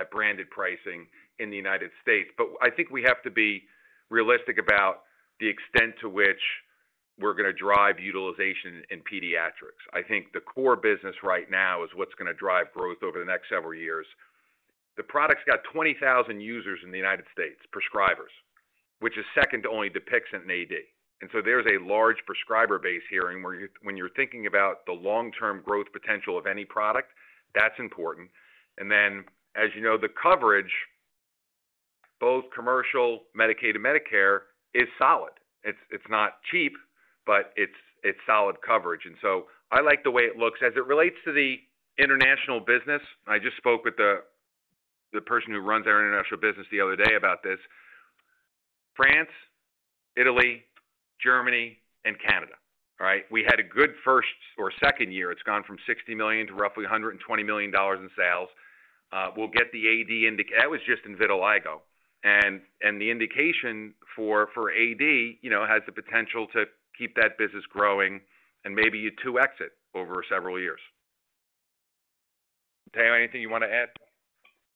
at branded pricing in the United States. I think we have to be realistic about the extent to which we're going to drive utilization in pediatrics. I think the core business right now is what's going to drive growth over the next several years. The product's got 20,000 users in the United States, prescribers, which is second to only DUPIXENT in AD. There's a large prescriber base here. When you're thinking about the long-term growth potential of any product, that's important. As you know, the coverage, both commercial, Medicaid, and Medicare, is solid. It's not cheap, but it's solid coverage. I like the way it looks, as it relates to the international business, I just spoke with the person who runs our international business the other day about this. France, Italy, Germany, and Canada, all right? We had a good first or second year. It's gone from $60 million to roughly $120 million in sales. We'll get the AD indication—that was just in vitiligo. The indication for AD has the potential to keep that business growing and maybe you two exit over several years. Anything you want to add?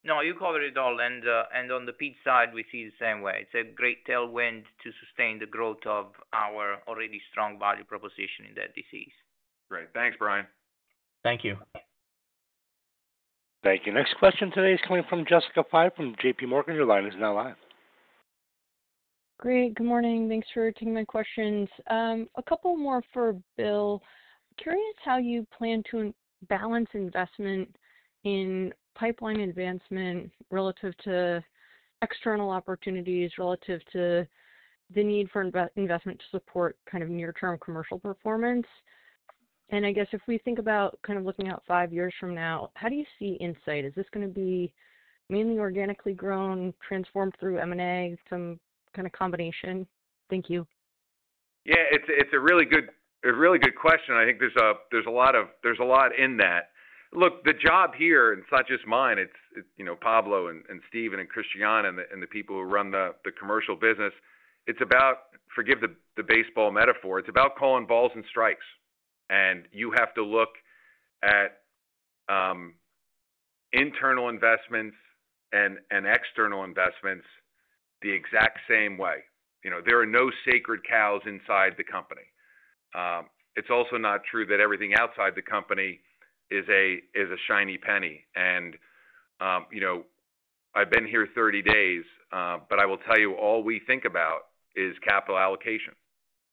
No, you covered it all. On the PEAT side, we see the same way. It's a great tailwind to sustain the growth of our already strong value proposition in that disease. Great. Thanks, Brian. Thank you. Thank you. Next question today is coming from Jessica Fye from JP Morgan. Your line is now live. Great. Good morning. Thanks for taking my questions. A couple more for Bill. Curious how you plan to balance investment in pipeline advancement relative to external opportunities relative to the need for investment to support kind of near-term commercial performance. I guess if we think about kind of looking out five years from now, how do you see Incyte? Is this going to be mainly organically grown, transformed through M&A, some kind of combination? Thank you. Yeah, it's a really good question. I think there's a lot in that. Look, the job here, and it's not just mine, it's Pablo and Steven and Christiana and the people who run the commercial business, it's about—forgive the baseball metaphor—it's about calling balls and strikes. You have to look at internal investments and external investments the exact same way. There are no sacred cows inside the company. It's also not true that everything outside the company is a shiny penny. I've been here 30 days, but I will tell you all we think about is capital allocation,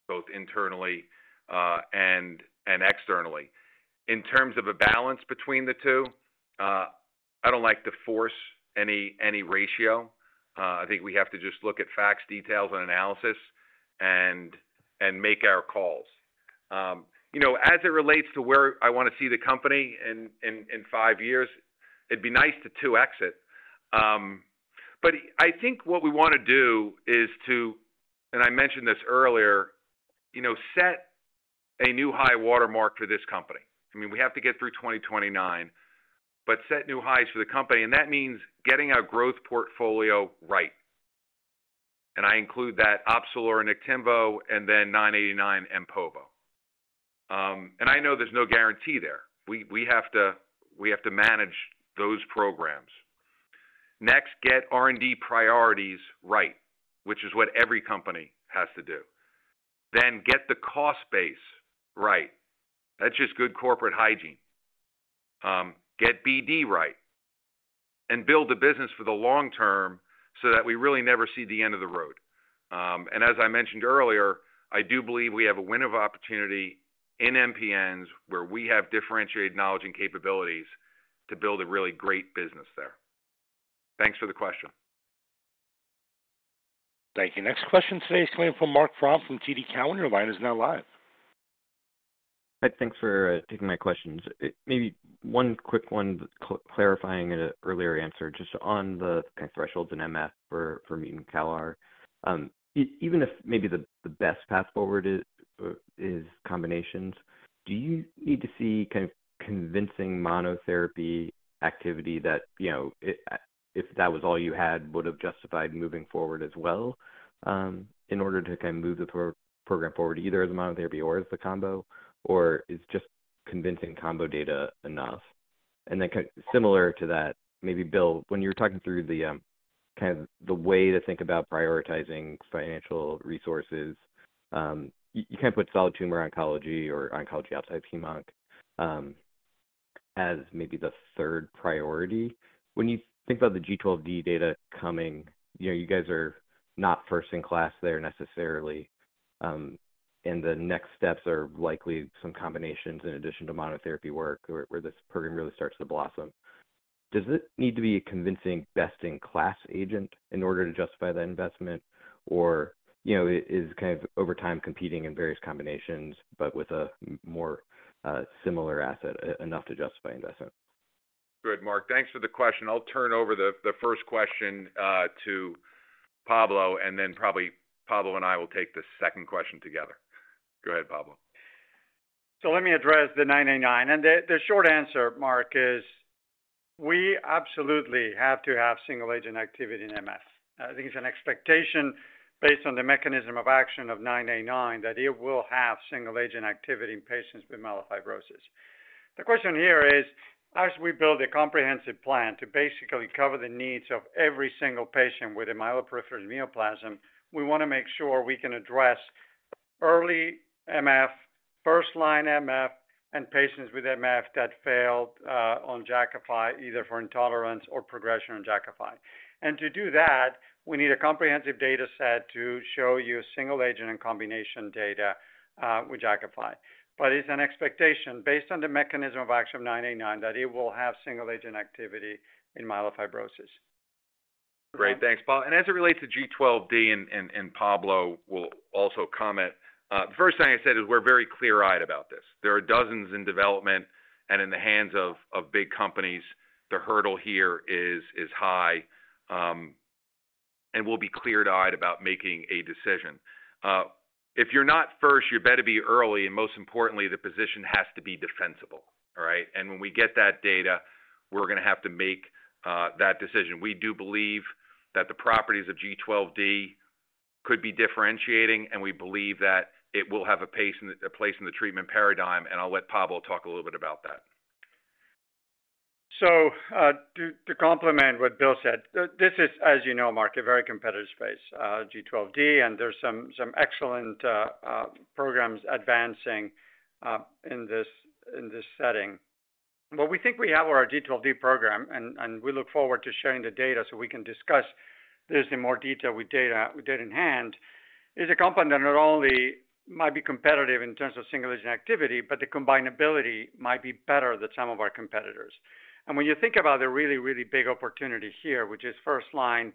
both internally and externally. In terms of a balance between the two, I don't like to force any ratio. I think we have to just look at facts, details, and analysis, and make our calls. As it relates to where I want to see the company in five years, it'd be nice to two-exit. I think what we want to do is to—and I mentioned this earlier—set a new high watermark for this company. I mean, we have to get through 2029, but set new highs for the company. That means getting our growth portfolio right. I include in that OPZELURA, Niktimvo, and then 989 and povorcitinib. I know there's no guarantee there. We have to manage those programs. Next, get R&D priorities right, which is what every company has to do. Get the cost base right. That's just good corporate hygiene. Get BD right. Build a business for the long term so that we really never see the end of the road. As I mentioned earlier, I do believe we have a win of opportunity in MPNs where we have differentiated knowledge and capabilities to build a really great business there. Thanks for the question. Thank you. Next question today is coming from Marc Frahm from TD Cowen. Your line is now live. Thanks for taking my questions. Maybe one quick one clarifying an earlier answer. Just on the kind of thresholds in MF for mutant CALR are. Even if maybe the best path forward is combinations, do you need to see kind of convincing monotherapy activity that, if that was all you had, would have justified moving forward as well? In order to kind of move the program forward, either as a monotherapy or as the combo? Is just convincing combo data enough? Similar to that, maybe Bill, when you're talking through the kind of the way to think about prioritizing financial resources, you can't put solid tumor oncology or oncology outside PMONC as maybe the third priority. When you think about the G12D data coming, you guys are not first in class there necessarily, and the next steps are likely some combinations in addition to monotherapy work where this program really starts to blossom. Does it need to be a convincing best-in-class agent in order to justify the investment? Or is kind of over time competing in various combinations, but with a more similar asset enough to justify investment? Good, Mark. Thanks for the question. I'll turn over the first question to Pablo, and then probably Pablo and I will take the second question together. Go ahead, Pablo. Let me address the 989. The short answer, Mark, is we absolutely have to have single-agent activity in MF. I think it's an expectation based on the mechanism of action of 989 that it will have single-agent activity in patients with myelofibrosis. T he question here is, as we build a comprehensive plan to basically cover the needs of every single patient with a myeloproliferative neoplasm, we want to make sure we can address early MF, first-line MF, and patients with MF that failed on Jakafi, either for intolerance or progression on Jakafi. To do that, we need a comprehensive data set to show you single-agent and combination data with Jakafi. It's an expectation based on the mechanism of action of 989 that it will have single-agent activity in myelofibrosis. Great. Thanks. As it relates to G12D, and Pablo will also comment, the first thing I said is we're very clear-eyed about this. There are dozens in development and in the hands of big companies. The hurdle here is high. We'll be clear-eyed about making a decision. If you're not first, you better be early. Most importantly, the position has to be defensible, all right? When we get that data, we're going to have to make that decision. We do believe that the properties of G12D could be differentiating, and we believe that it will have a place in the treatment paradigm. I'll let Pablo talk a little bit about that. To complement what Bill said, this is, as you know, Mark, a very competitive space, G12D, and there are some excellent programs advancing in this setting. What we think we have with our G12D program, and we look forward to sharing the data so we can discuss this in more detail with data in hand, is a company that not only might be competitive in terms of single-agent activity, but the combinability might be better than some of our competitors. When you think about the really, really big opportunity here, which is first-line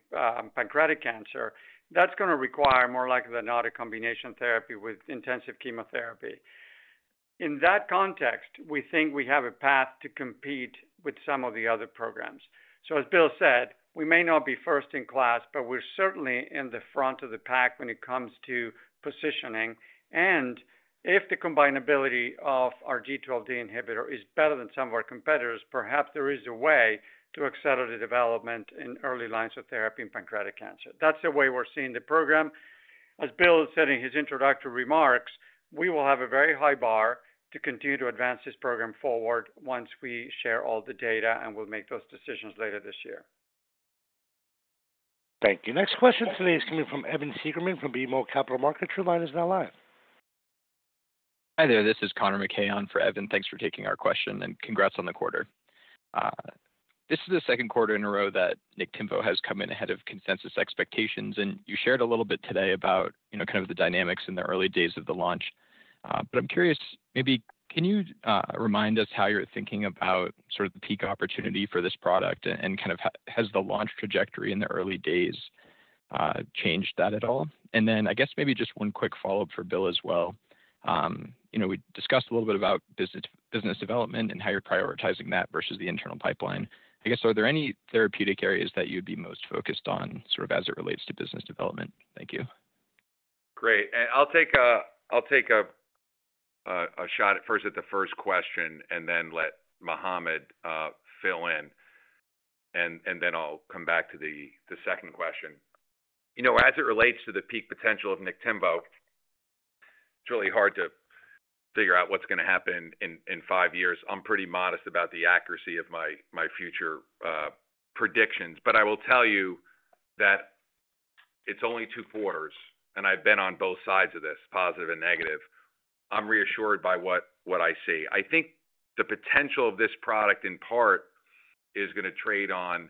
pancreatic cancer, that is going to require, more likely than not, a combination therapy with intensive chemotherapy. In that context, we think we have a path to compete with some of the other programs. As Bill said, we may not be first in class, but we are certainly in the front of the pack when it comes to positioning. If the combinability of our G12D inhibitor is better than some of our competitors, perhaps there is a way to accelerate the development in early lines of therapy in pancreatic cancer. That is the way we are seeing the program. As Bill said in his introductory remarks, we will have a very high bar to continue to advance this program forward once we share all the data and we will make those decisions later this year. Thank you. Next question today is coming from Evan Seigerman from BMO Capital Markets. Your line is now live. Hi there. This is Connor McKay on for Evan. Thanks for taking our question and congrats on the quarter. This is the second quarter in a row that Niktimvo has come in ahead of consensus expectations. You shared a little bit today about kind of the dynamics in the early days of the launch. I'm curious, maybe can you remind us how you're thinking about sort of the peak opportunity for this product? Kind of has the launch trajectory in the early days changed that at all? I guess maybe just one quick follow-up for Bill as well. We discussed a little bit about business development and how you're prioritizing that versus the internal pipeline. I guess, are there any therapeutic areas that you'd be most focused on sort of as it relates to business development? Thank you. Great. I'll take a shot at the first question and then let Mohamed fill in. I'll come back to the second question. As it relates to the peak potential of Niktimvo, it's really hard to figure out what's going to happen in five years. I'm pretty modest about the accuracy of my future predictions. I will tell you that it's only two quarters, and I've been on both sides of this, positive and negative. I'm reassured by what I see. I think the potential of this product in part is going to trade on,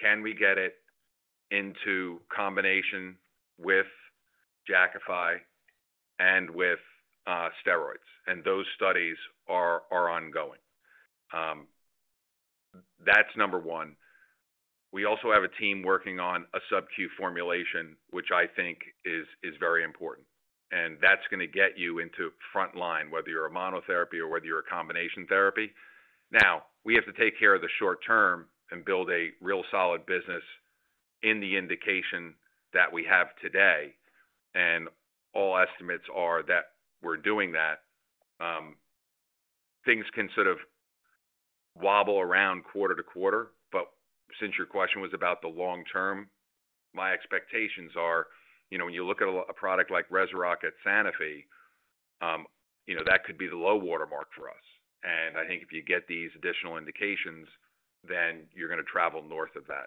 can we get it into combination with Jakafi and with steroids? Those studies are ongoing. That's number one. We also have a team working on a sub-Q formulation, which I think is very important. That's going to get you into front line, whether you're a monotherapy or whether you're a combination therapy. We have to take care of the short term and build a real solid business in the indication that we have today. All estimates are that we're doing that. Things can sort of wobble around quarter to quarter. Since your question was about the long term, my expectations are when you look at a product like REZUROCK at Sanofi, that could be the low watermark for us. I think if you get these additional indications, then you're going to travel north of that.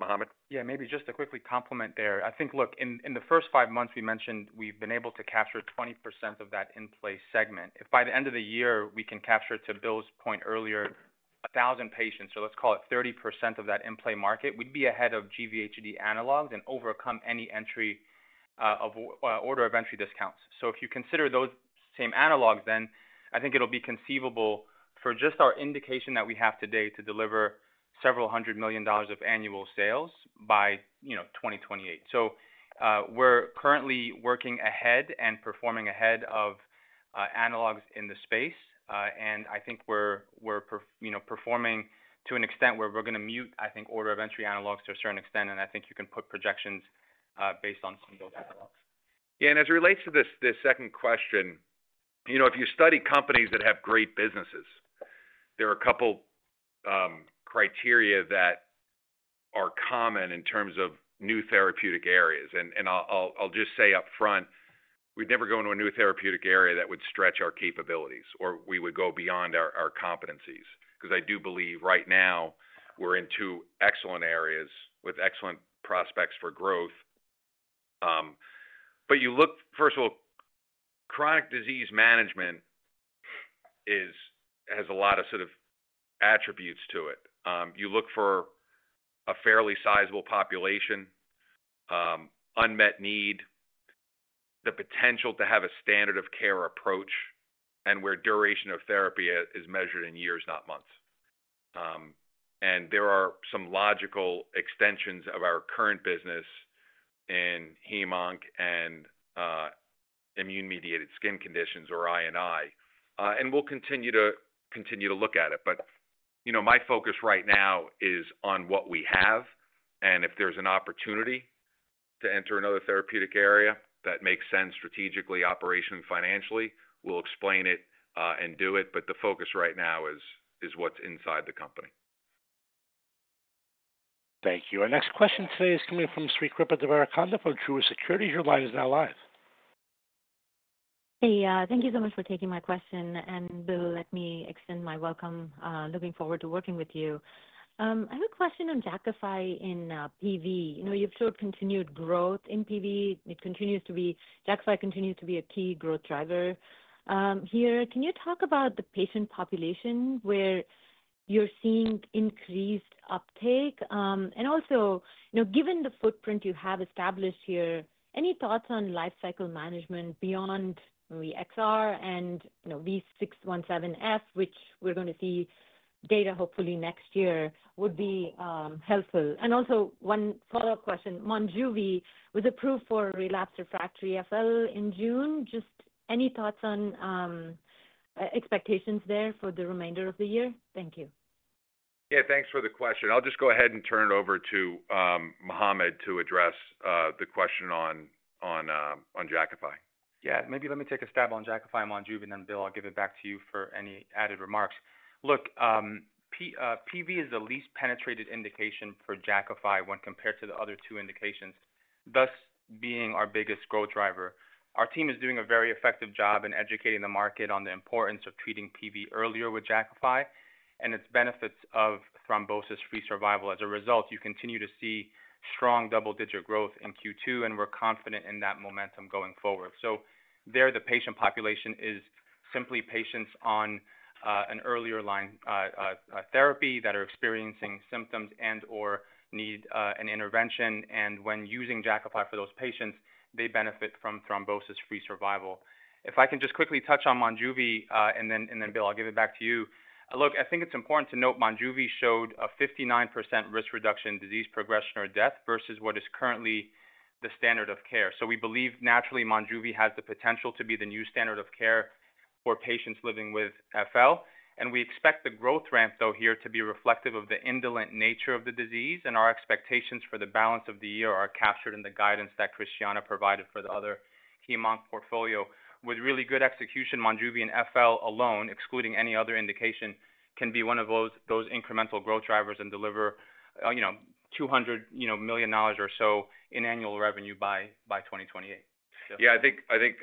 Mohamed? Yeah, maybe just to quickly complement there. I think, look, in the first five months, we mentioned we've been able to capture 20% of that in-play segment. If by the end of the year, we can capture, to Bill's point earlier, 1,000 patients, or let's call it 30% of that in-play market, we'd be ahead of GVHD analogs and overcome any entry order of entry discounts. If you consider those same analogs, then I think it'll be conceivable for just our indication that we have today to deliver several hundred million dollars of annual sales by 2028. We're currently working ahead and performing ahead of analogs in the space. I think we're performing to an extent where we're going to mute, I think, order of entry analogs to a certain extent. I think you can put projections based on some of those analogs. Yeah. As it relates to this second question, if you study companies that have great businesses, there are a couple criteria that are common in terms of new therapeutic areas. I'll just say upfront, we'd never go into a new therapeutic area that would stretch our capabilities or we would go beyond our competencies. I do believe right now we're in two excellent areas with excellent prospects for growth. You look, first of all, chronic disease management has a lot of sort of attributes to it. You look for a fairly sizable population, unmet need, the potential to have a standard of care approach, and where duration of therapy is measured in years, not months. There are some logical extensions of our current business in hem-onc and immune-mediated skin conditions or INI. We'll continue to look at it. My focus right now is on what we have. If there's an opportunity to enter another therapeutic area that makes sense strategically, operationally, financially, we'll explain it and do it. The focus right now is what's inside the company. Thank you. Our next question today is coming from Sri Kripa Devarakonda from Truist Securities. Your line is now live. Hey, thank you so much for taking my question. Bill, let me extend my welcome. Looking forward to working with you. I have a question on Jakafi in PV. You've showed continued growth in PV. Jakafi continues to be a key growth driver. Here, can you talk about the patient population where you're seeing increased uptake? Also, given the footprint you have established here, any thoughts on lifecycle management beyond XR and V617F, which we're going to see data hopefully next year would be helpful. Also, one follow-up question. MONJUVI was approved for relapsed refractory FL in June. Just any thoughts on expectations there for the remainder of the year? Thank you. Yeah, thanks for the question. I'll just go ahead and turn it over to Mohamed to address the question on Jakafi. Yeah. Maybe let me take a stab on Jakafi and MONJUVI, and then Bill, I'll give it back to you for any added remarks. Look. PV is the least penetrated indication for Jakafi when compared to the other two indications, thus being our biggest growth driver. Our team is doing a very effective job in educating the market on the importance of treating PV earlier with Jakafi and its benefits of thrombosis-free survival. As a result, you continue to see strong double-digit growth in Q2, and we're confident in that momentum going forward. There, the patient population is simply patients on an earlier line therapy that are experiencing symptoms and/or need an intervention. When using Jakafi for those patients, they benefit from thrombosis-free survival. If I can just quickly touch on MONJUVI, and then Bill, I'll give it back to you. Look, I think it's important to note MONJUVI showed a 59% risk reduction in disease progression or death versus what is currently the standard of care. We believe naturally MONJUVI has the potential to be the new standard of care for patients living with FL. We expect the growth ramp here to be reflective of the indolent nature of the disease. Our expectations for the balance of the year are captured in the guidance that Christiana provided for the other hem-onc portfolio. With really good execution, MONJUVI and FL alone, excluding any other indication, can be one of those incremental growth drivers and deliver $200 million or so in annual revenue by 2028. Yeah, I think.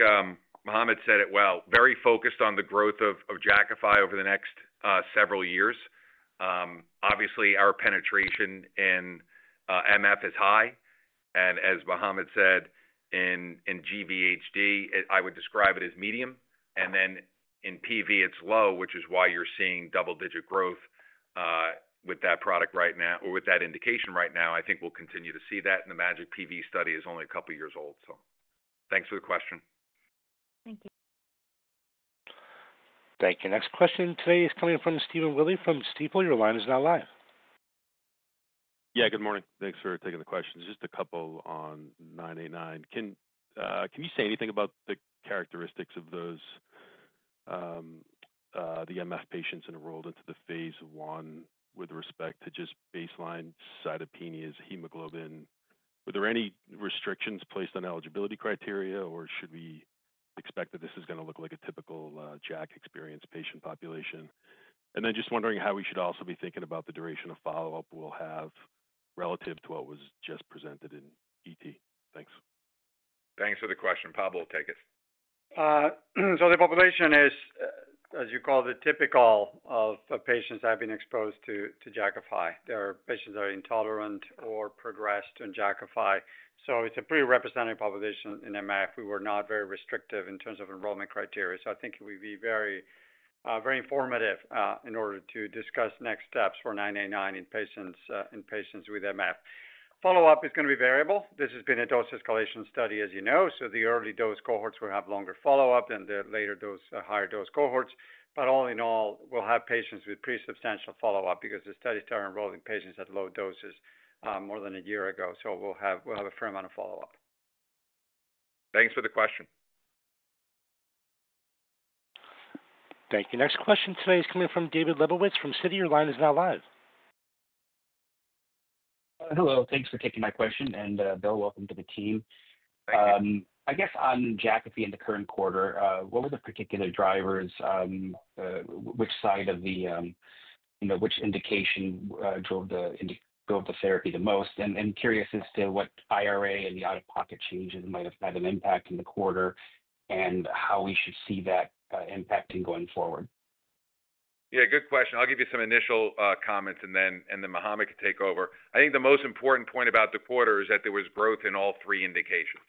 Mohamed said it well. Very focused on the growth of Jakafi over the next several years. Obviously, our penetration in MF is high. As Mohamed said, in GVHD, I would describe it as medium. In PV, it's low, which is why you're seeing double-digit growth with that product right now or with that indication right now. I think we'll continue to see that. The MAJIC-PV study is only a couple of years old. Thanks for the question. Thank you. Thank you. Next question today is coming from Stephen Willey from Stifel. Your line is now live. Yeah, good morning. Thanks for taking the question. Just a couple on 989. Can you say anything about the characteristics of the MF patients enrolled into the phase I with respect to just baseline cytopenias, hemoglobin? Were there any restrictions placed on eligibility criteria, or should we expect that this is going to look like a typical JAK-experienced patient population? Just wondering how we should also be thinking about the duration of follow-up we'll have relative to what was just presented in ET. Thanks. Thanks for the question. Pablo will take it. The population is, as you call, the typical of patients that have been exposed to Jakafi. There are patients that are intolerant or progressed in Jakafi. It is a pretty representative population in MF. We were not very restrictive in terms of enrollment criteria. I think it will be very informative in order to discuss next steps for 989 in patients with MF. Follow-up is going to be variable. This has been a dose escalation study, as you know. The early dose cohorts will have longer follow-up than the later, higher dose cohorts. All in all, we will have patients with pretty substantial follow-up because the studies started enrolling patients at low doses more than a year ago. We will have a fair amount of follow-up. Thanks for the question. Thank you. Next question today is coming from David Lebowitz from Citi. Your line is now live. Hello. Thanks for taking my question. Bill, welcome to the team. I guess on Jakafi in the current quarter, what were the particular drivers? Which side of the, which indication drove the therapy the most? I am curious as to what IRA and the out-of-pocket changes might have had an impact in the quarter and how we should see that impacting going forward. Yeah, good question. I'll give you some initial comments, and then Mohamed can take over. I think the most important point about the quarter is that there was growth in all three indications.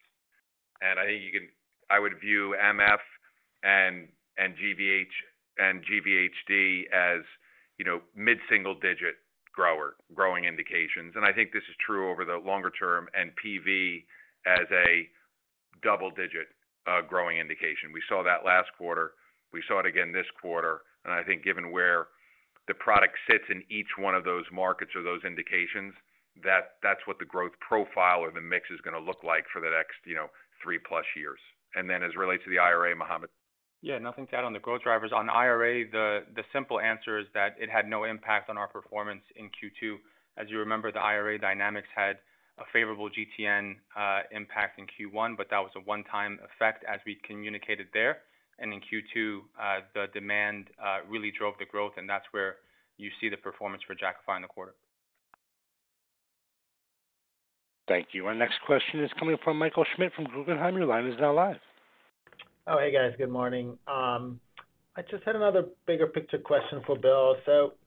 I think you can—I would view MF and GVHD as mid-single-digit growing indications. I think this is true over the longer term. PV as a double-digit growing indication. We saw that last quarter. We saw it again this quarter. I think given where the product sits in each one of those markets or those indications, that's what the growth profile or the mix is going to look like for the next three-plus years. As it relates to the IRA, Mohamed. Yeah, nothing to add on the growth drivers. On IRA, the simple answer is that it had no impact on our performance in Q2. As you remember, the IRA dynamics had a favorable GTN impact in Q1, but that was a one-time effect as we communicated there. In Q2, the demand really drove the growth, and that's where you see the performance for Jakafi in the quarter. Thank you. Our next question is coming from Michael Schmidt from Guggenheim. Your line is now live. Oh, hey, guys. Good morning. I just had another bigger picture question for Bill.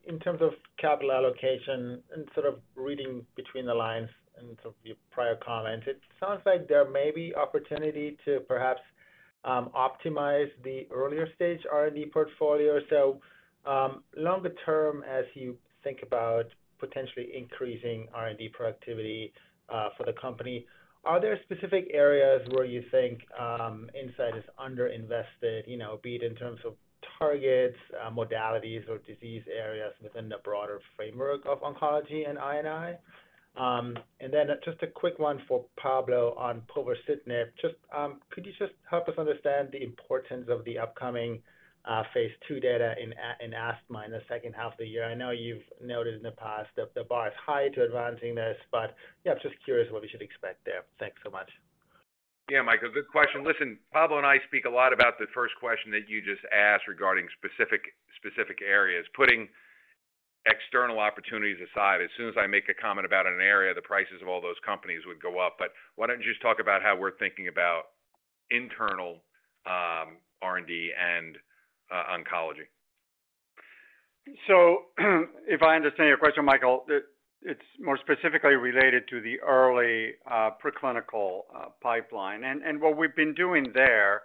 In terms of capital allocation and sort of reading between the lines and sort of your prior comments, it sounds like there may be opportunity to perhaps optimize the earlier-stage R&D portfolio. Longer-term, as you think about potentially increasing R&D productivity for the company, are there specific areas where you think Incyte is underinvested, be it in terms of targets, modalities, or disease areas within the broader framework of oncology and INI? Just a quick one for Pablo on povorcitinib. Could you just help us understand the importance of the upcoming phase two data in asthma in the second half of the year? I know you've noted in the past that the bar is high to advancing this, but yeah, I'm just curious what we should expect there. Thanks so much. Yeah, Michael, good question. Listen, Pablo and I speak a lot about the first question that you just asked regarding specific areas. Putting external opportunities aside, as soon as I make a comment about an area, the prices of all those companies would go up. Why don't you just talk about how we're thinking about internal R&D and oncology? If I understand your question, Michael, it's more specifically related to the early preclinical pipeline. What we've been doing there,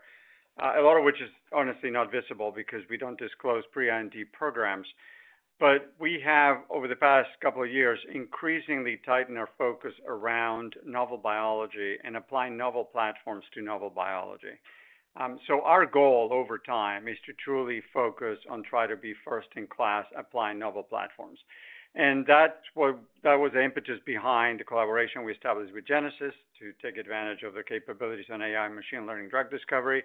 a lot of which is honestly not visible because we don't disclose pre-IND programs, but we have, over the past couple of years, increasingly tightened our focus around novel biology and applying novel platforms to novel biology. Our goal over time is to truly focus on trying to be first in class applying novel platforms. That was the impetus behind the collaboration we established with Genesis to take advantage of the capabilities on AI and machine learning drug discovery.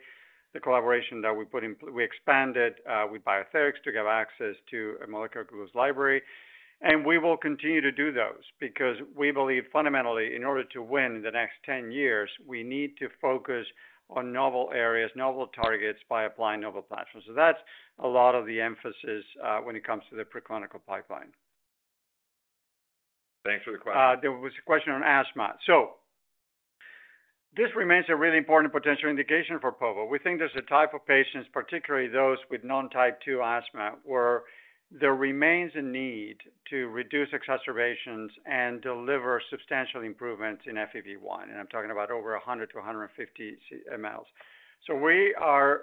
The collaboration that we expanded with BioTheryx to give access to a molecular glucose library. We will continue to do those because we believe fundamentally, in order to win in the next 10 years, we need to focus on novel areas, novel targets by applying novel platforms. That's a lot of the emphasis when it comes to the preclinical pipeline. Thanks for the question. There was a question on asthma. This remains a really important potential indication for Pablo. We think there's a type of patients, particularly those with non-type 2 asthma, where there remains a need to reduce exacerbations and deliver substantial improvements in FEV1. I'm talking about over 100-150 ml. We are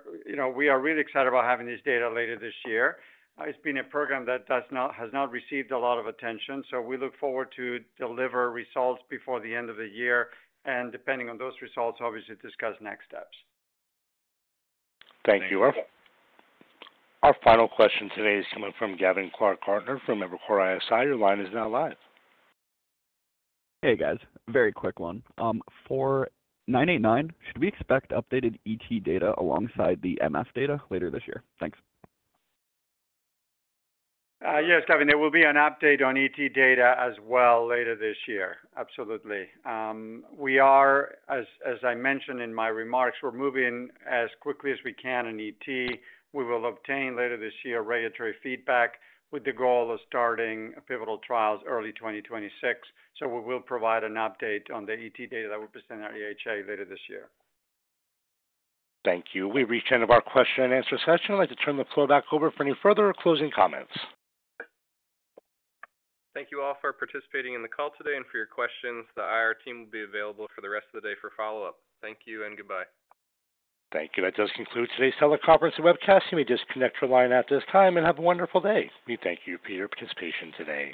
really excited about having this data later this year. It's been a program that has not received a lot of attention. We look forward to deliver results before the end of the year. Depending on those results, obviously discuss next steps. Thank you. Our final question today is coming from Gavin Clark Gardner from Evercore ISI. Your line is now live. Hey, guys. Very quick one. For 989, should we expect updated ET data alongside the MF data later this year? Thanks. Yes, Gavin, there will be an update on ET data as well later this year. Absolutely. We are, as I mentioned in my remarks, we're moving as quickly as we can in ET. We will obtain later this year regulatory feedback with the goal of starting pivotal trials early 2026. We will provide an update on the ET data that we present at EHA later this year. Thank you. We've reached the end of our question and answer session. I'd like to turn the floor back over for any further or closing comments. Thank you all for participating in the call today and for your questions. The IR team will be available for the rest of the day for follow-up. Thank you and goodbye. Thank you. That does conclude today's teleconference and webcast. You may disconnect your line at this time and have a wonderful day. We thank you, Peter, for your participation today.